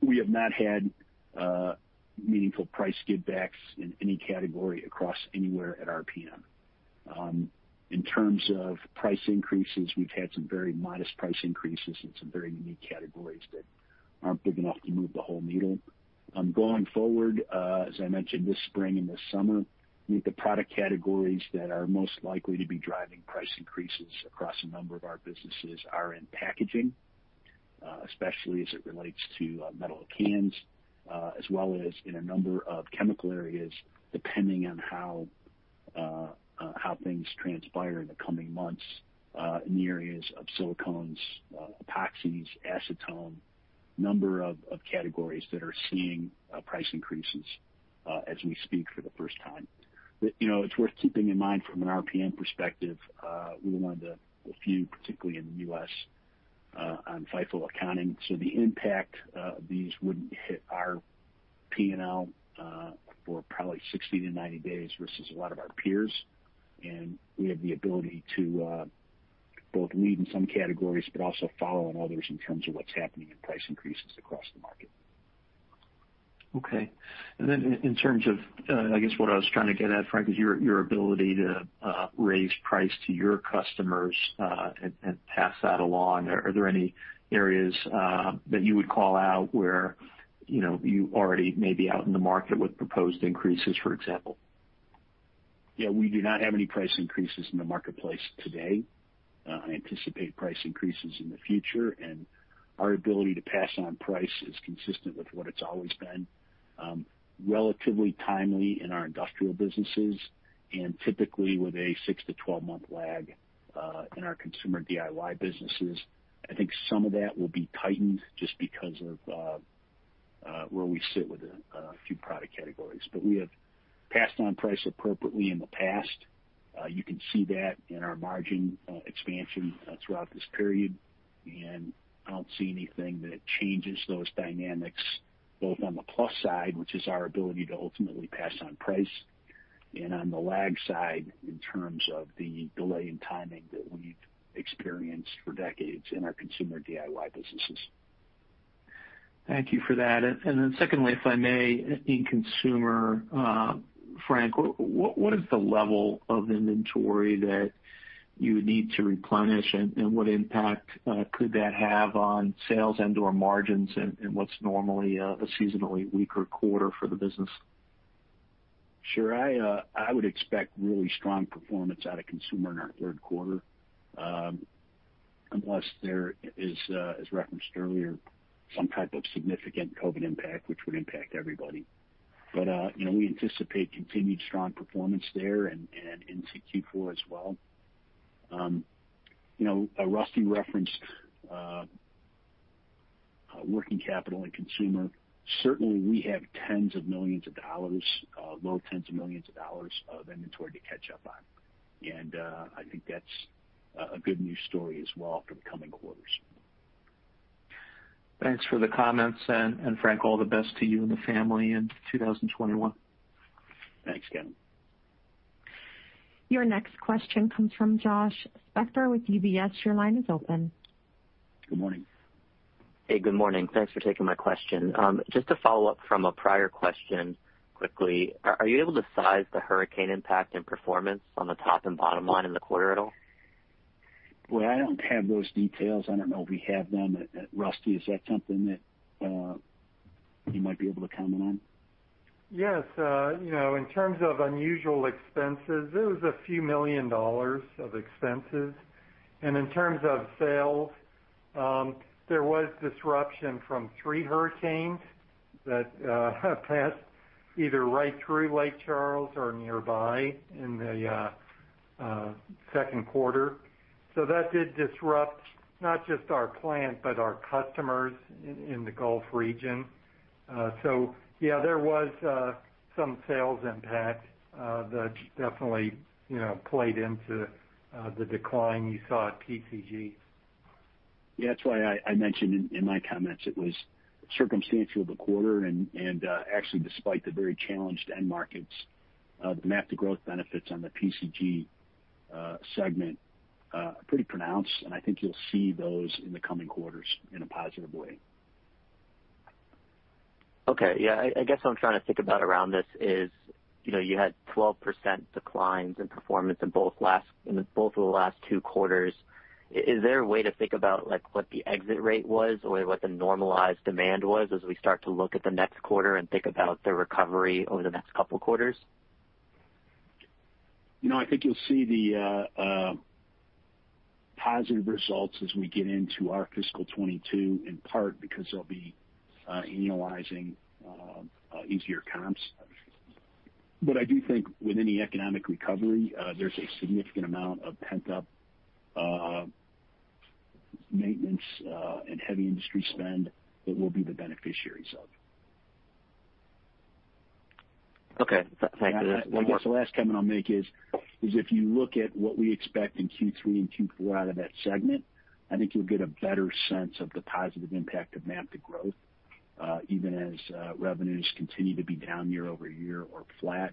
We have not had meaningful price give backs in any category across anywhere at RPM. In terms of price increases, we've had some very modest price increases in some very unique categories that aren't big enough to move the whole needle. Going forward, as I mentioned this spring and this summer, I think the product categories that are most likely to be driving price increases across a number of our businesses are in packaging, especially as it relates to metal cans, as well as in a number of chemical areas, depending on how things transpire in the coming months, in the areas of silicones, epoxies, acetone. Number of categories that are seeing price increases as we speak for the first time. It's worth keeping in mind from an RPM perspective, we're one of the few, particularly in the U.S., on FIFO accounting, so the impact of these wouldn't hit our P&L for probably 60-90 days versus a lot of our peers. We have the ability to both lead in some categories, but also follow in others in terms of what's happening in price increases across the market. Okay. In terms of, I guess what I was trying to get at, Frank, is your ability to raise price to your customers and pass that along. Are there any areas that you would call out where you already may be out in the market with proposed increases, for example? Yeah. We do not have any price increases in the marketplace today. I anticipate price increases in the future, and our ability to pass on price is consistent with what it's always been, relatively timely in our industrial businesses, and typically with a 6-12 months lag in our consumer DIY businesses. I think some of that will be tightened just because of where we sit with a few product categories. We have passed on price appropriately in the past. You can see that in our margin expansion throughout this period, and I don't see anything that changes those dynamics, both on the plus side, which is our ability to ultimately pass on price, and on the lag side in terms of the delay in timing that we've experienced for decades in our consumer DIY businesses. Thank you for that. Secondly, if I may, in Consumer, Frank, what is the level of inventory that you would need to replenish, and what impact could that have on sales and or margins in what's normally a seasonally weaker quarter for the business? Sure. I would expect really strong performance out of Consumer in our third quarter. Unless there is, as referenced earlier, some type of significant COVID-19 impact, which would impact everybody. We anticipate continued strong performance there and into Q4 as well. Rusty referenced working capital and Consumer. Certainly, we have tens of millions of dollars, low tens of millions of dollars of inventory to catch up on. I think that's a good news story as well for the coming quarters. Thanks for the comments, and Frank, all the best to you and the family in 2021. Thanks, Kevin. Your next question comes from Josh Spector with UBS. Your line is open. Good morning. Hey, good morning. Thanks for taking my question. Just to follow up from a prior question quickly, are you able to size the hurricane impact and performance on the top and bottom line in the quarter at all? Boy, I don't have those details. I don't know if we have them. Rusty, is that something that you might be able to comment on? Yes. In terms of unusual expenses, it was a few million dollars of expenses. In terms of sales, there was disruption from three hurricanes that passed either right through Lake Charles or nearby in the second quarter. That did disrupt not just our plant, but our customers in the Gulf region. Yeah, there was some sales impact that definitely played into the decline you saw at PCG. Yeah, that's why I mentioned in my comments it was circumstantial of a quarter. Actually, despite the very challenged end markets, the MAP to Growth benefits on the PCG segment are pretty pronounced, and I think you'll see those in the coming quarters in a positive way. Okay. Yeah, I guess what I'm trying to think about around this is you had 12% declines in performance in both of the last two quarters. Is there a way to think about what the exit rate was or what the normalized demand was as we start to look at the next quarter and think about the recovery over the next couple of quarters? I think you'll see the positive results as we get into our fiscal 2022, in part because they'll be annualizing easier comps. I do think with any economic recovery, there's a significant amount of pent-up maintenance and heavy industry spend that we'll be the beneficiaries of. Okay. Thank you. I guess the last comment I'll make is if you look at what we expect in Q3 and Q4 out of that segment, I think you'll get a better sense of the positive impact of MAP to Growth, even as revenues continue to be down year-over-year or flat.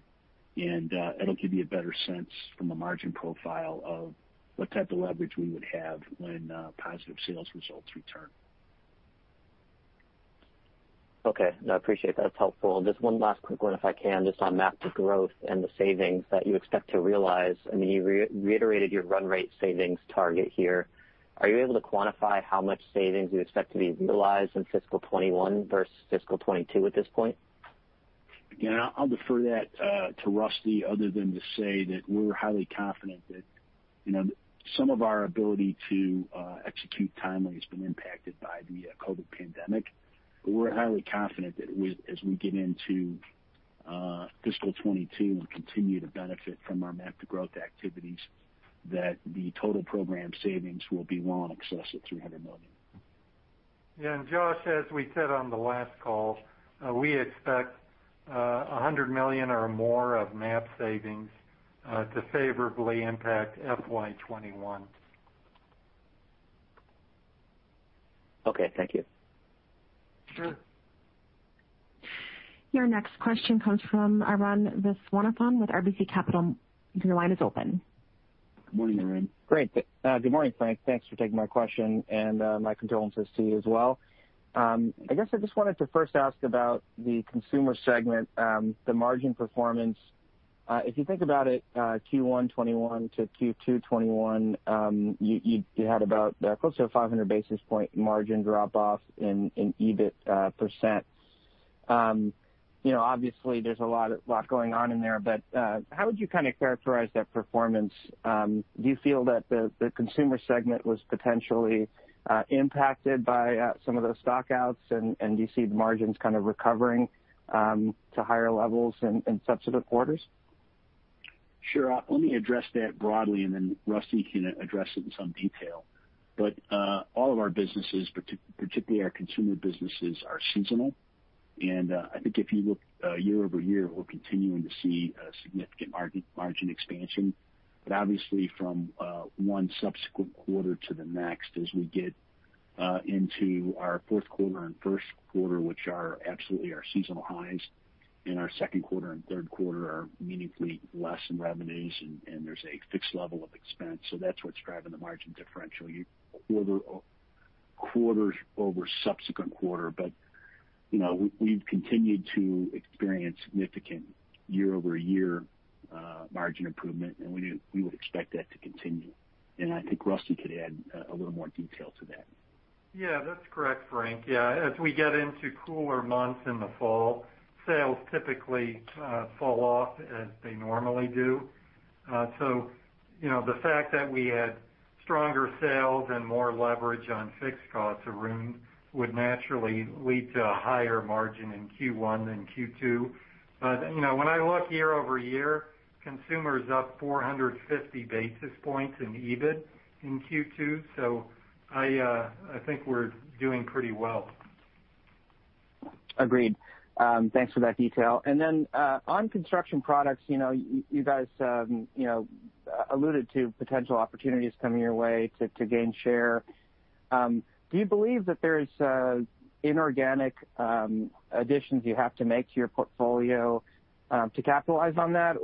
It'll give you a better sense from a margin profile of what type of leverage we would have when positive sales results return. Okay. No, I appreciate that. It's helpful. Just one last quick one, if I can, just on MAP to Growth and the savings that you expect to realize. You reiterated your run rate savings target here. Are you able to quantify how much savings you expect to be realized in fiscal 2021 versus fiscal 2022 at this point? I'll defer that to Rusty, other than to say that we're highly confident that some of our ability to execute timely has been impacted by the COVID pandemic. We're highly confident that as we get into fiscal 2022, we'll continue to benefit from our MAP to Growth activities, that the total program savings will be well in excess of $300 million. Yeah. Josh, as we said on the last call, we expect $100 million or more of MAP savings to favorably impact FY 2021. Okay, thank you. Sure. Your next question comes from Arun Viswanathan with RBC Capital. Your line is open. Good morning, Arun. Great. Good morning, Frank. Thanks for taking my question, and my condolences to you as well. I guess I just wanted to first ask about the Consumer segment, the margin performance. If you think about it, Q1 2021 to Q2 2021, you had about close to a 500 basis point margin drop-off in EBIT percent. Obviously, there's a lot going on in there, but how would you kind of characterize that performance? Do you feel that the Consumer Segment was potentially impacted by some of those stock-outs, and do you see the margins kind of recovering to higher levels in subsequent quarters? Sure. Then Rusty can address it in some detail. All of our businesses, particularly our consumer businesses, are seasonal. I think if you look year-over-year, we're continuing to see a significant margin expansion. Obviously from one subsequent quarter to the next, as we get into our fourth quarter and first quarter, which are absolutely our seasonal highs, and our second quarter and third quarter are meaningfully less in revenues, and there's a fixed level of expense. That's what's driving the margin differential quarters over subsequent quarter. We've continued to experience significant year-over-year margin improvement, and we would expect that to continue. I think Rusty could add a little more detail to that. Yeah, that's correct, Frank. As we get into cooler months in the fall, sales typically fall off as they normally do. The fact that we had stronger sales and more leverage on fixed costs, Arun, would naturally lead to a higher margin in Q1 than Q2. When I look year-over-year, Consumer 's up 450 basis points in EBIT in Q2, so I think we're doing pretty well. Agreed. Thanks for that detail. On construction products, you guys alluded to potential opportunities coming your way to gain share. Do you believe that there is inorganic additions you have to make to your portfolio to capitalize on that?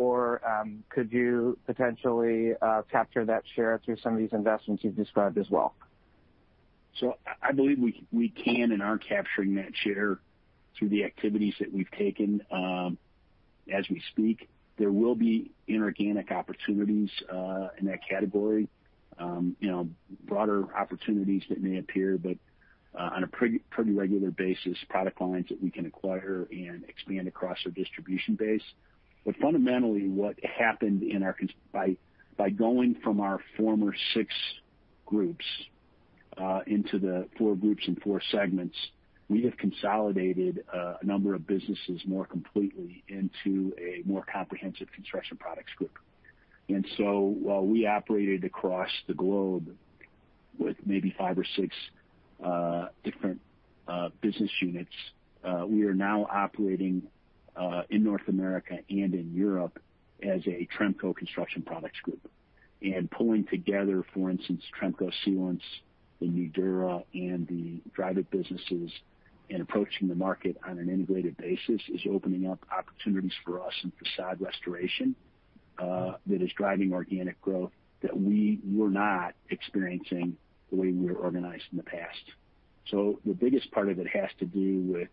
Could you potentially capture that share through some of these investments you've described as well? I believe we can and are capturing that share through the activities that we've taken as we speak. There will be inorganic opportunities in that category. Broader opportunities that may appear, but on a pretty regular basis, product lines that we can acquire and expand across our distribution base. Fundamentally, what happened by going from our former six groups into the four groups and four segments, we have consolidated a number of businesses more completely into a more comprehensive Construction Products Group. While we operated across the globe with maybe five or six different business units, we are now operating in North America and in Europe as a Tremco Construction Products Group. Pulling together, for instance, Tremco Sealants, the Nudura, and the Dryvit businesses, and approaching the market on an integrated basis is opening up opportunities for us in facade restoration that is driving organic growth that we were not experiencing the way we were organized in the past. The biggest part of it has to do with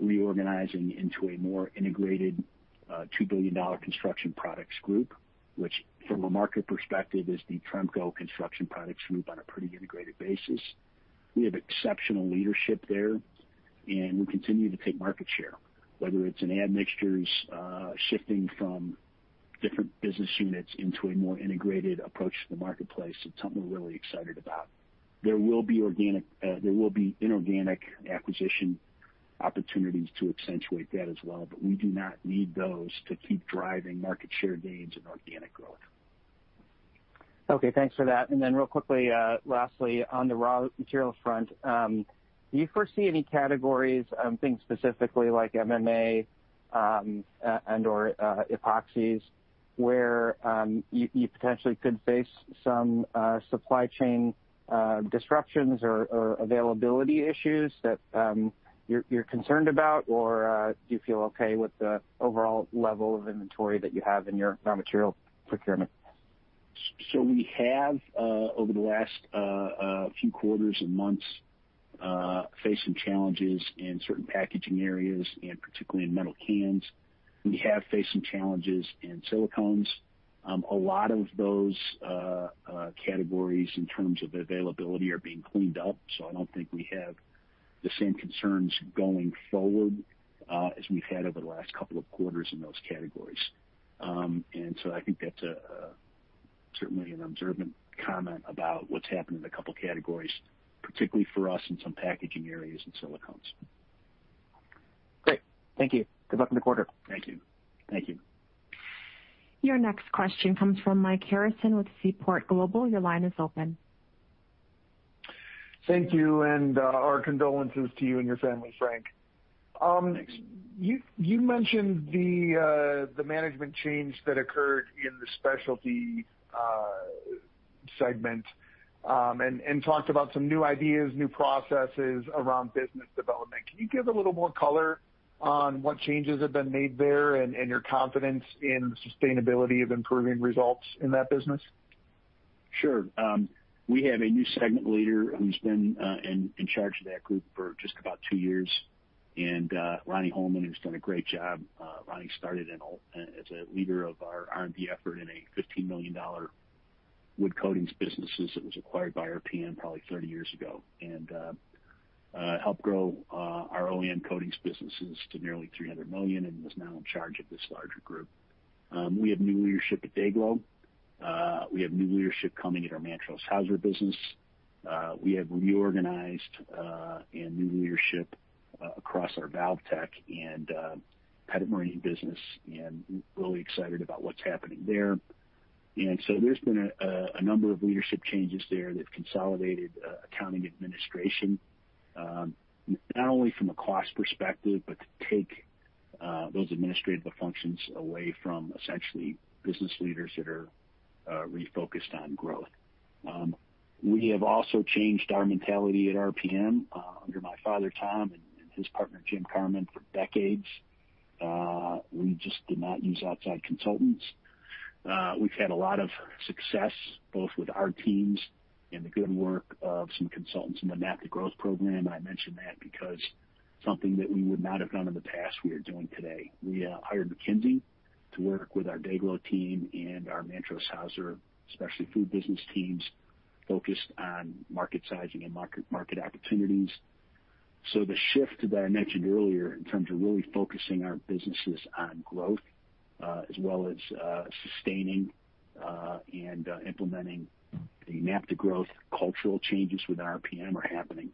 reorganizing into a more integrated $2 billion Construction Products Group, which from a market perspective is the Tremco Construction Products Group on a pretty integrated basis. We have exceptional leadership there, and we continue to take market share. Whether it's in admixtures, shifting from different business units into a more integrated approach to the marketplace. It's something we're really excited about. There will be inorganic acquisition opportunities to accentuate that as well, but we do not need those to keep driving market share gains and organic growth. Okay, thanks for that. Real quickly, lastly, on the raw materials front. Do you foresee any categories, I'm thinking specifically like MMA, and/or epoxies, where you potentially could face some supply chain disruptions or availability issues that you're concerned about? Do you feel okay with the overall level of inventory that you have in your raw material procurement? We have, over the last few quarters and months, faced some challenges in certain packaging areas, and particularly in metal cans. We have faced some challenges in silicones. A lot of those categories in terms of availability are being cleaned up, so I don't think we have the same concerns going forward as we've had over the last couple of quarters in those categories. I think that's certainly an observant comment about what's happened in a couple of categories, particularly for us in some packaging areas and silicones. Great. Thank you. Good luck in the quarter. Thank you. Thank you. Your next question comes from Mike Harrison with Seaport Global. Your line is open. Thank you, and our condolences to you and your family, Frank. Thanks. You mentioned the management change that occurred in the Specialty segment, and talked about some new ideas, new processes around business development. Can you give a little more color on what changes have been made there and your confidence in the sustainability of improving results in that business? Sure. We have a new segment leader who's been in charge of that group for just about two years, Ronnie Holman, who's done a great job. Ronnie started as a leader of our R&D effort in a $15 million wood coatings businesses that was acquired by RPM probably 30 years ago. Helped grow our OEM coatings businesses to nearly $300 million and is now in charge of this larger group. We have new leadership at DayGlo. We have new leadership coming at our Mantrose-Haeuser business. We have reorganized and new leadership across our ValvTect and Pettit Marine business, and really excited about what's happening there. There's been a number of leadership changes there that have consolidated accounting administration. Not only from a cost perspective, but to take those administrative functions away from essentially business leaders that are refocused on growth. We have also changed our mentality at RPM under my father, Tom, and his partner, Jim Karman, for decades. We just did not use outside consultants. We've had a lot of success, both with our teams and the good work of some consultants in the MAP to Growth program. I mention that because something that we would not have done in the past, we are doing today. We hired McKinsey to work with our DayGlo team and our Mantrose-Haeuser Specialty Food Business teams focused on market sizing and market opportunities. The shift that I mentioned earlier in terms of really focusing our businesses on growth, as well as sustaining and implementing the MAP to Growth cultural changes within RPM are happening.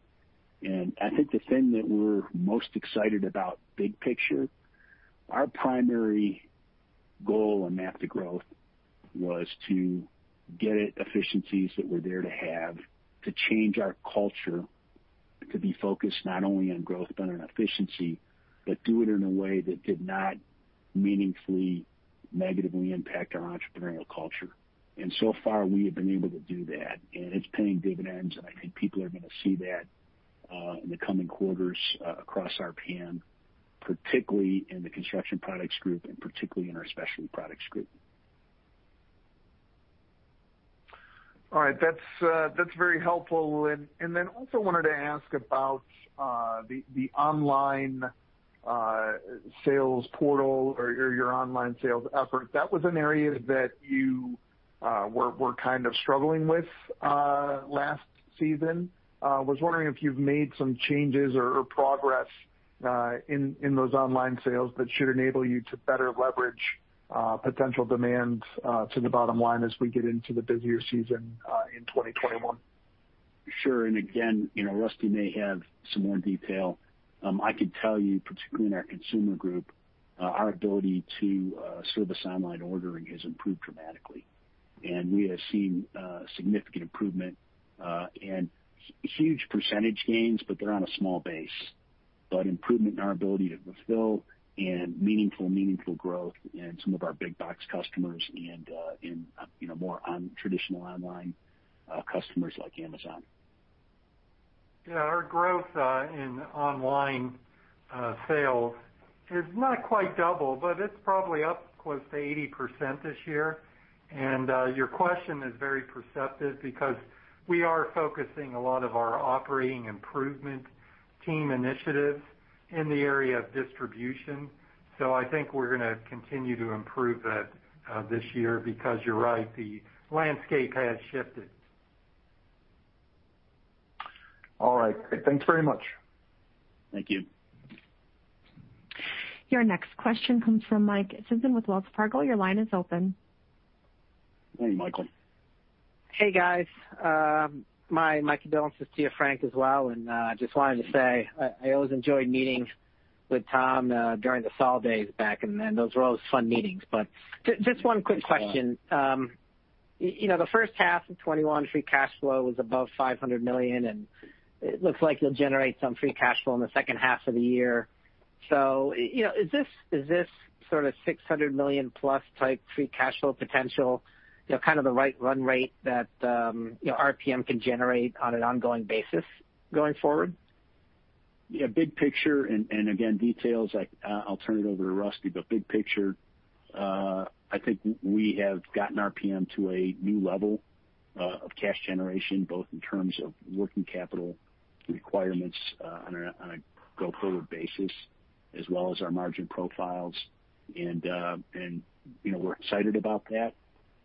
I think the thing that we're most excited about big picture, our primary goal in MAP to Growth was to get at efficiencies that were there to have, to change our culture to be focused not only on growth but on efficiency, but do it in a way that did not meaningfully negatively impact our entrepreneurial culture. So far, we have been able to do that, and it's paying dividends, and I think people are going to see that in the coming quarters across RPM, particularly in the Construction Products Group and particularly in our Specialty Products Group. All right. That's very helpful. Also wanted to ask about the online sales portal or your online sales efforts. That was an area that you were kind of struggling with last season. I was wondering if you've made some changes or progress in those online sales that should enable you to better leverage potential demand to the bottom line as we get into the busier season in 2021. Sure. Again, Rusty may have some more detail. I could tell you, particularly in our Consumer Group, our ability to service online ordering has improved dramatically. We have seen significant improvement and huge percentage gains, but they're on a small base. Improvement in our ability to fulfill and meaningful growth in some of our big box customers and in more untraditional online customers like Amazon. Yeah. Our growth in online sales is not quite double, but it's probably up close to 80% this year. Your question is very perceptive because we are focusing a lot of our operating improvement team initiatives in the area of distribution. I think we're going to continue to improve that this year because you're right, the landscape has shifted. All right. Great. Thanks very much. Thank you. Your next question comes from Mike Sison with Wells Fargo. Your line is open. Morning, Michael. Hey, guys. My condolences to you, Frank, as well. Just wanted to say, I always enjoyed meetings with Tom during the old days back in then. Those were always fun meetings. Just one quick question. Thanks, Mike. The first half of 2021, free cash flow was above $500 million. It looks like you'll generate some free cash flow in the second half of the year. Is this sort of $600 million+ type free cash flow potential, kind of the right run rate that RPM can generate on an ongoing basis going forward? Yeah. Big picture, again, details, I'll turn it over to Rusty. Big picture, I think we have gotten RPM to a new level of cash generation, both in terms of working capital requirements on a go-forward basis, as well as our margin profiles. We're excited about that.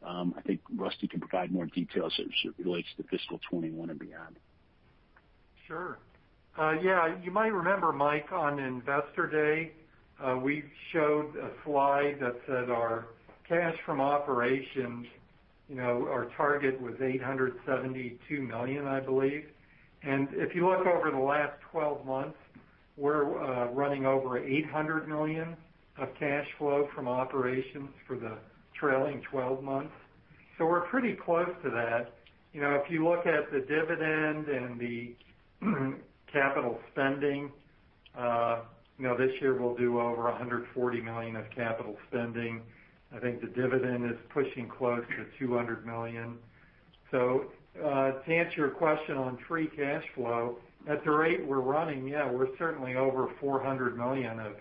I think Rusty can provide more details as it relates to fiscal 2021 and beyond. Sure. Yeah. You might remember, Mike, on Investor Day, we showed a slide that said our cash from operations, our target was $872 million, I believe. If you look over the last 12 months, we're running over $800 million of cash flow from operations for the trailing 12 months. We're pretty close to that. If you look at the dividend and the capital spending, this year we'll do over $140 million of capital spending. I think the dividend is pushing close to $200 million. To answer your question on free cash flow, at the rate we're running, yeah, we're certainly over $400 million of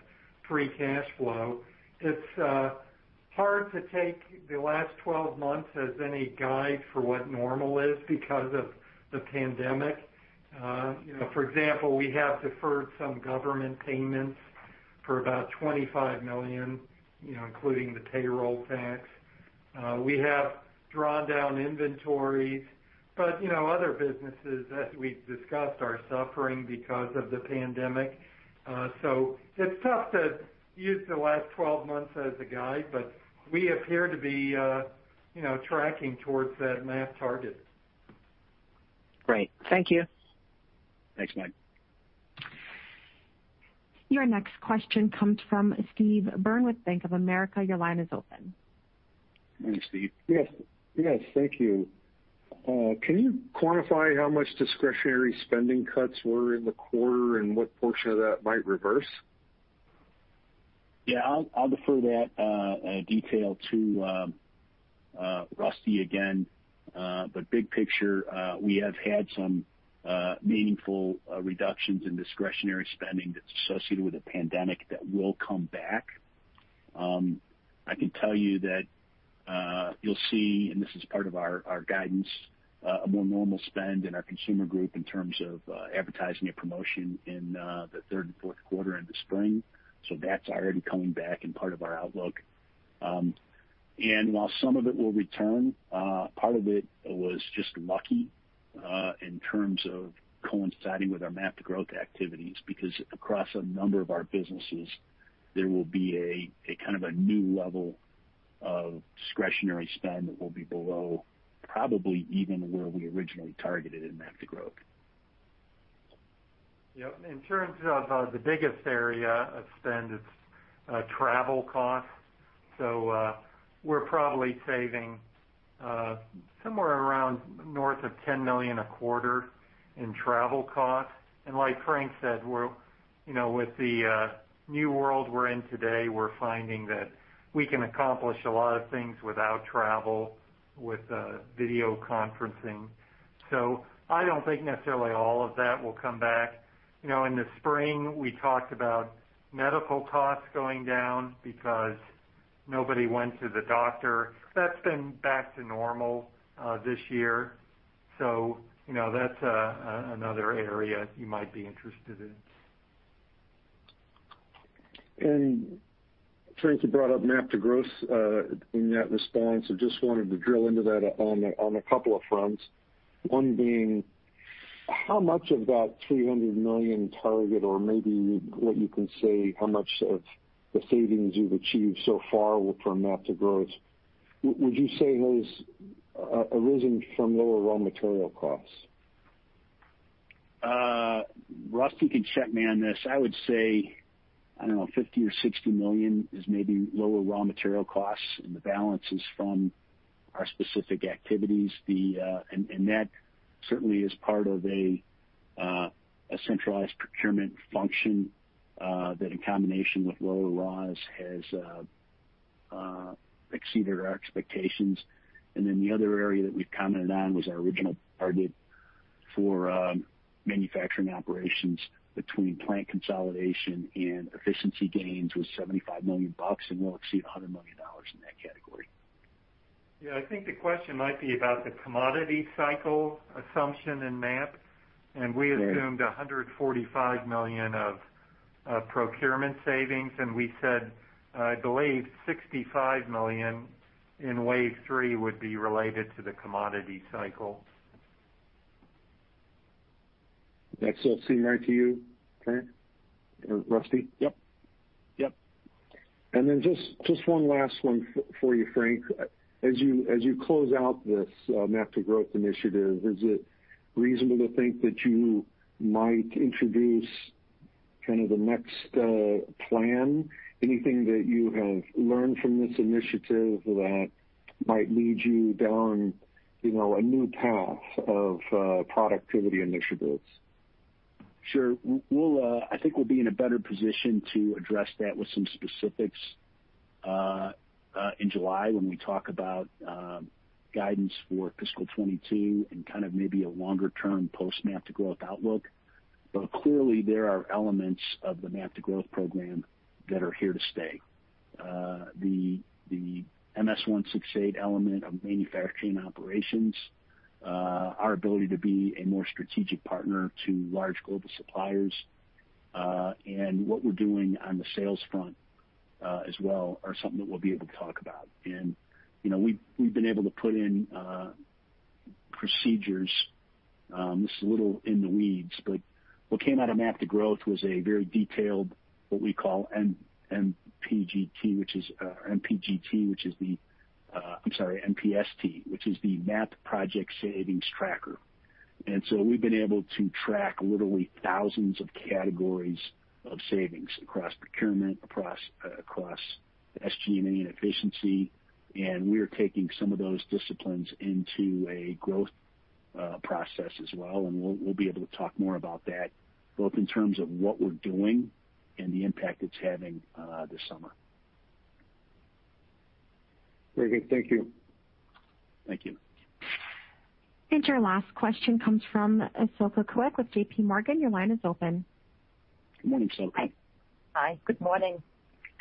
free cash flow. It's hard to take the last 12 months as any guide for what normal is because of the pandemic. For example, we have deferred some government payments for about $25 million, including the payroll tax. We have drawn down inventories. Other businesses, as we've discussed, are suffering because of the pandemic. It's tough to use the last 12 months as a guide, but we appear to be tracking towards that MAP target. Great. Thank you. Thanks, Mike. Your next question comes from Steve Byrne with Bank of America. Your line is open. Morning, Steve. Yes. Thank you. Can you quantify how much discretionary spending cuts were in the quarter and what portion of that might reverse? Yeah, I'll defer that detail to Rusty again. Big picture, we have had some meaningful reductions in discretionary spending that's associated with the pandemic that will come back. I can tell you that you'll see, and this is part of our guidance, a more normal spend in our Consumer Group in terms of advertising and promotion in the third and fourth quarter into spring. That's already coming back in part of our outlook. While some of it will return, part of it was just lucky, in terms of coinciding with our MAP to Growth activities, because across a number of our businesses, there will be a kind of a new level of discretionary spend that will be below probably even where we originally targeted in MAP to Growth. Yep. In terms of the biggest area of spend, it's travel costs. We're probably saving somewhere around north of $10 million a quarter in travel costs. Like Frank said, with the new world we're in today, we're finding that we can accomplish a lot of things without travel, with video conferencing. I don't think necessarily all of that will come back. In the spring, we talked about medical costs going down because nobody went to the doctor. That's been back to normal this year. That's another area you might be interested in. Frank, you brought up MAP to Growth in that response. I just wanted to drill into that on a couple of fronts. One being, how much of that $300 million target, or maybe what you can say, how much of the savings you've achieved so far with your MAP to Growth, would you say has arisen from lower raw material costs? Rusty can check me on this. I would say, I don't know, $50 million or $60 million is maybe lower raw material costs, and the balance is from our specific activities. That certainly is part of a centralized procurement function, that in combination with lower raws has exceeded our expectations. Then the other area that we've commented on was our original target for manufacturing operations between plant consolidation and efficiency gains was $75 million, and we'll exceed $100 million in that category. Yeah, I think the question might be about the commodity cycle assumption in MAP. Yeah. We assumed $145 million of procurement savings, we said, I believe $65 million in wave three would be related to the commodity cycle. That still seem right to you, Frank or Rusty? Yep. Yep. Just one last one for you, Frank. As you close out this MAP to Growth initiative, is it reasonable to think that you might introduce kind of the next plan? Anything that you have learned from this initiative that might lead you down a new path of productivity initiatives? Sure. I think we'll be in a better position to address that with some specifics in July when we talk about guidance for fiscal 2022 and kind of maybe a longer-term post MAP to Growth outlook. Clearly, there are elements of the MAP to Growth program that are here to stay. The MS-168 element of manufacturing operations, our ability to be a more strategic partner to large global suppliers, and what we're doing on the sales front as well are something that we'll be able to talk about. We've been able to put in procedures, this is a little in the weeds, but what came out of MAP to Growth was a very detailed, what we call MPGT, I'm sorry, MPST, which is the MAP Project Savings Tracker. We've been able to track literally thousands of categories of savings across procurement, across SG&A and efficiency. We are taking some of those disciplines into a growth process as well, and we'll be able to talk more about that, both in terms of what we're doing and the impact it's having this summer. Very good. Thank you. Thank you. Your last question comes from Silke Kueck with JPMorgan. Your line is open. Good morning, team. Hi. Good morning.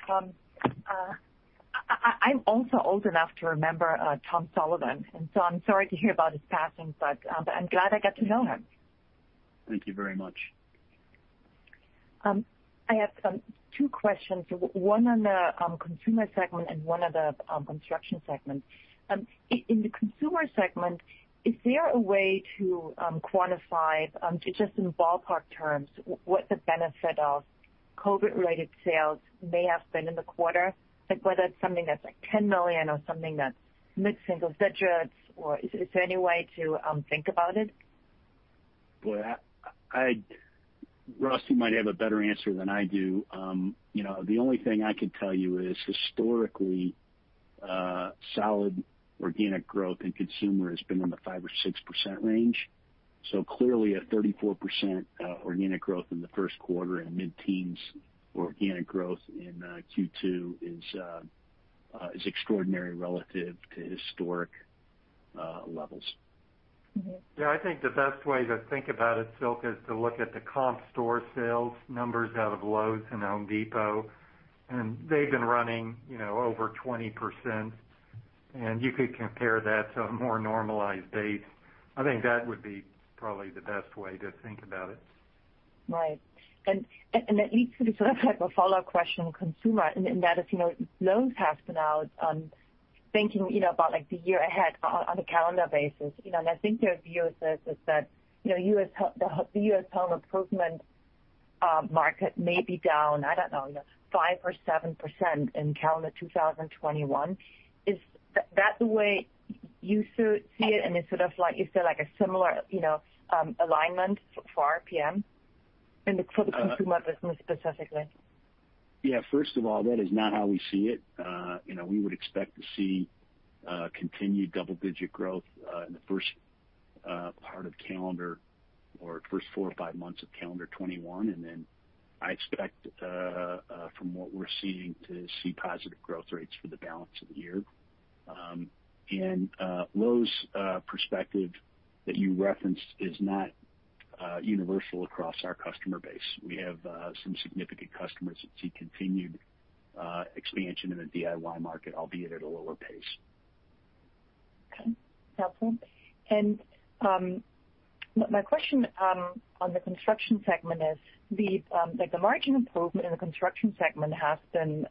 I'm also old enough to remember Tom Sullivan. I'm sorry to hear about his passing, but I'm glad I got to know him. Thank you very much. I have two questions, one on the consumer segment and one on the construction segment. In the consumer segment, is there a way to quantify, just in ballpark terms, what the benefit of COVID-related sales may have been in the quarter? Like whether it's something that's like $10 million or something that's mid-single digits, or is there any way to think about it? I-- Rusty might have a better answer than I do. The only thing I could tell you is historically, solid organic growth in Consumer Group has been in the 5% or 6% range. Clearly, a 34% organic growth in the first quarter and mid-teens organic growth in Q2 is extraordinary relative to historic levels. I think the best way to think about it, Silke, is to look at the comp store sales numbers out of Lowe's and The Home Depot. They've been running over 20%. You could compare that to a more normalized base. I think that would be probably the best way to think about it. Right. That leads to sort of like a follow-up question on consumer, and that is, Lowe's have been out on thinking about the year ahead on a calendar basis. I think their view is that the U.S. home improvement market may be down, I don't know, 5% or 7% in calendar 2021. Is that the way you see it, and is there a similar alignment for RPM for the consumer business specifically? Yeah. First of all, that is not how we see it. We would expect to see continued double-digit growth in the first part of calendar or first four or five months of calendar 2021, and then I expect, from what we're seeing, to see positive growth rates for the balance of the year. Lowe's perspective that you referenced is not universal across our customer base. We have some significant customers that see continued expansion in the DIY market, albeit at a lower pace. Okay. Helpful. My question on the Construction segment is, the margin improvement in the Construction segment has been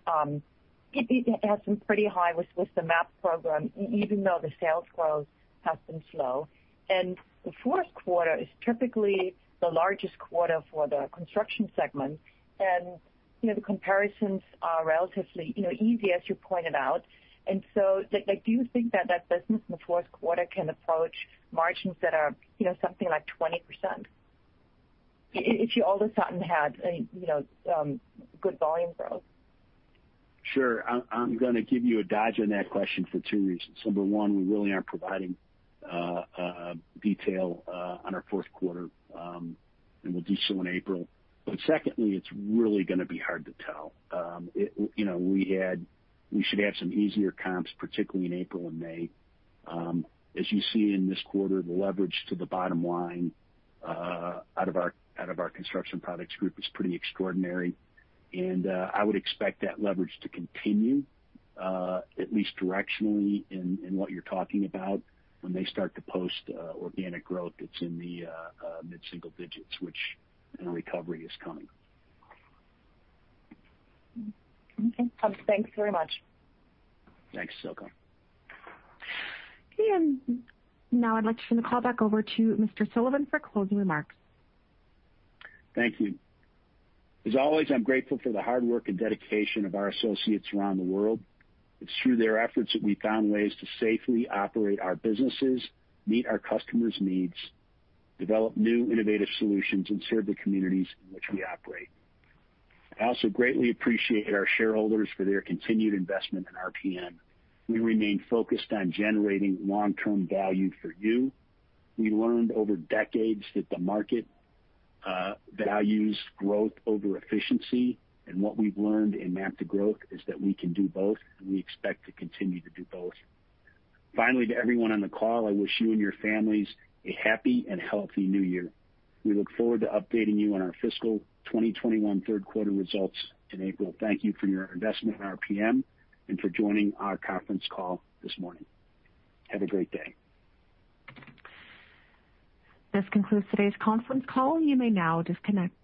pretty high with the MAP program, even though the sales growth has been slow. The fourth quarter is typically the largest quarter for the Construction segment, and the comparisons are relatively easy, as you pointed out. Do you think that that business in the fourth quarter can approach margins that are something like 20% if you all of a sudden had good volume growth? Sure. I'm going to give you a dodge on that question for two reasons. Number one, we really aren't providing detail on our fourth quarter, and we'll do so in April. Secondly, it's really going to be hard to tell. We should have some easier comps, particularly in April and May. As you see in this quarter, the leverage to the bottom line out of our Construction Products Group is pretty extraordinary, and I would expect that leverage to continue, at least directionally in what you're talking about when they start to post organic growth that's in the mid-single digits, which recovery is coming. Okay. Thanks very much. Thanks, Silke. Okay. Now I'd like to turn the call back over to Mr. Sullivan for closing remarks. Thank you. As always, I'm grateful for the hard work and dedication of our associates around the world. It's through their efforts that we've found ways to safely operate our businesses, meet our customers' needs, develop new innovative solutions, and serve the communities in which we operate. I also greatly appreciate our shareholders for their continued investment in RPM. We remain focused on generating long-term value for you. We learned over decades that the market values growth over efficiency, and what we've learned in MAP to Growth is that we can do both, and we expect to continue to do both. Finally, to everyone on the call, I wish you and your families a happy and healthy New Year. We look forward to updating you on our fiscal 2021 third quarter results in April. Thank you for your investment in RPM and for joining our conference call this morning. Have a great day. This concludes today's conference call. You may now disconnect.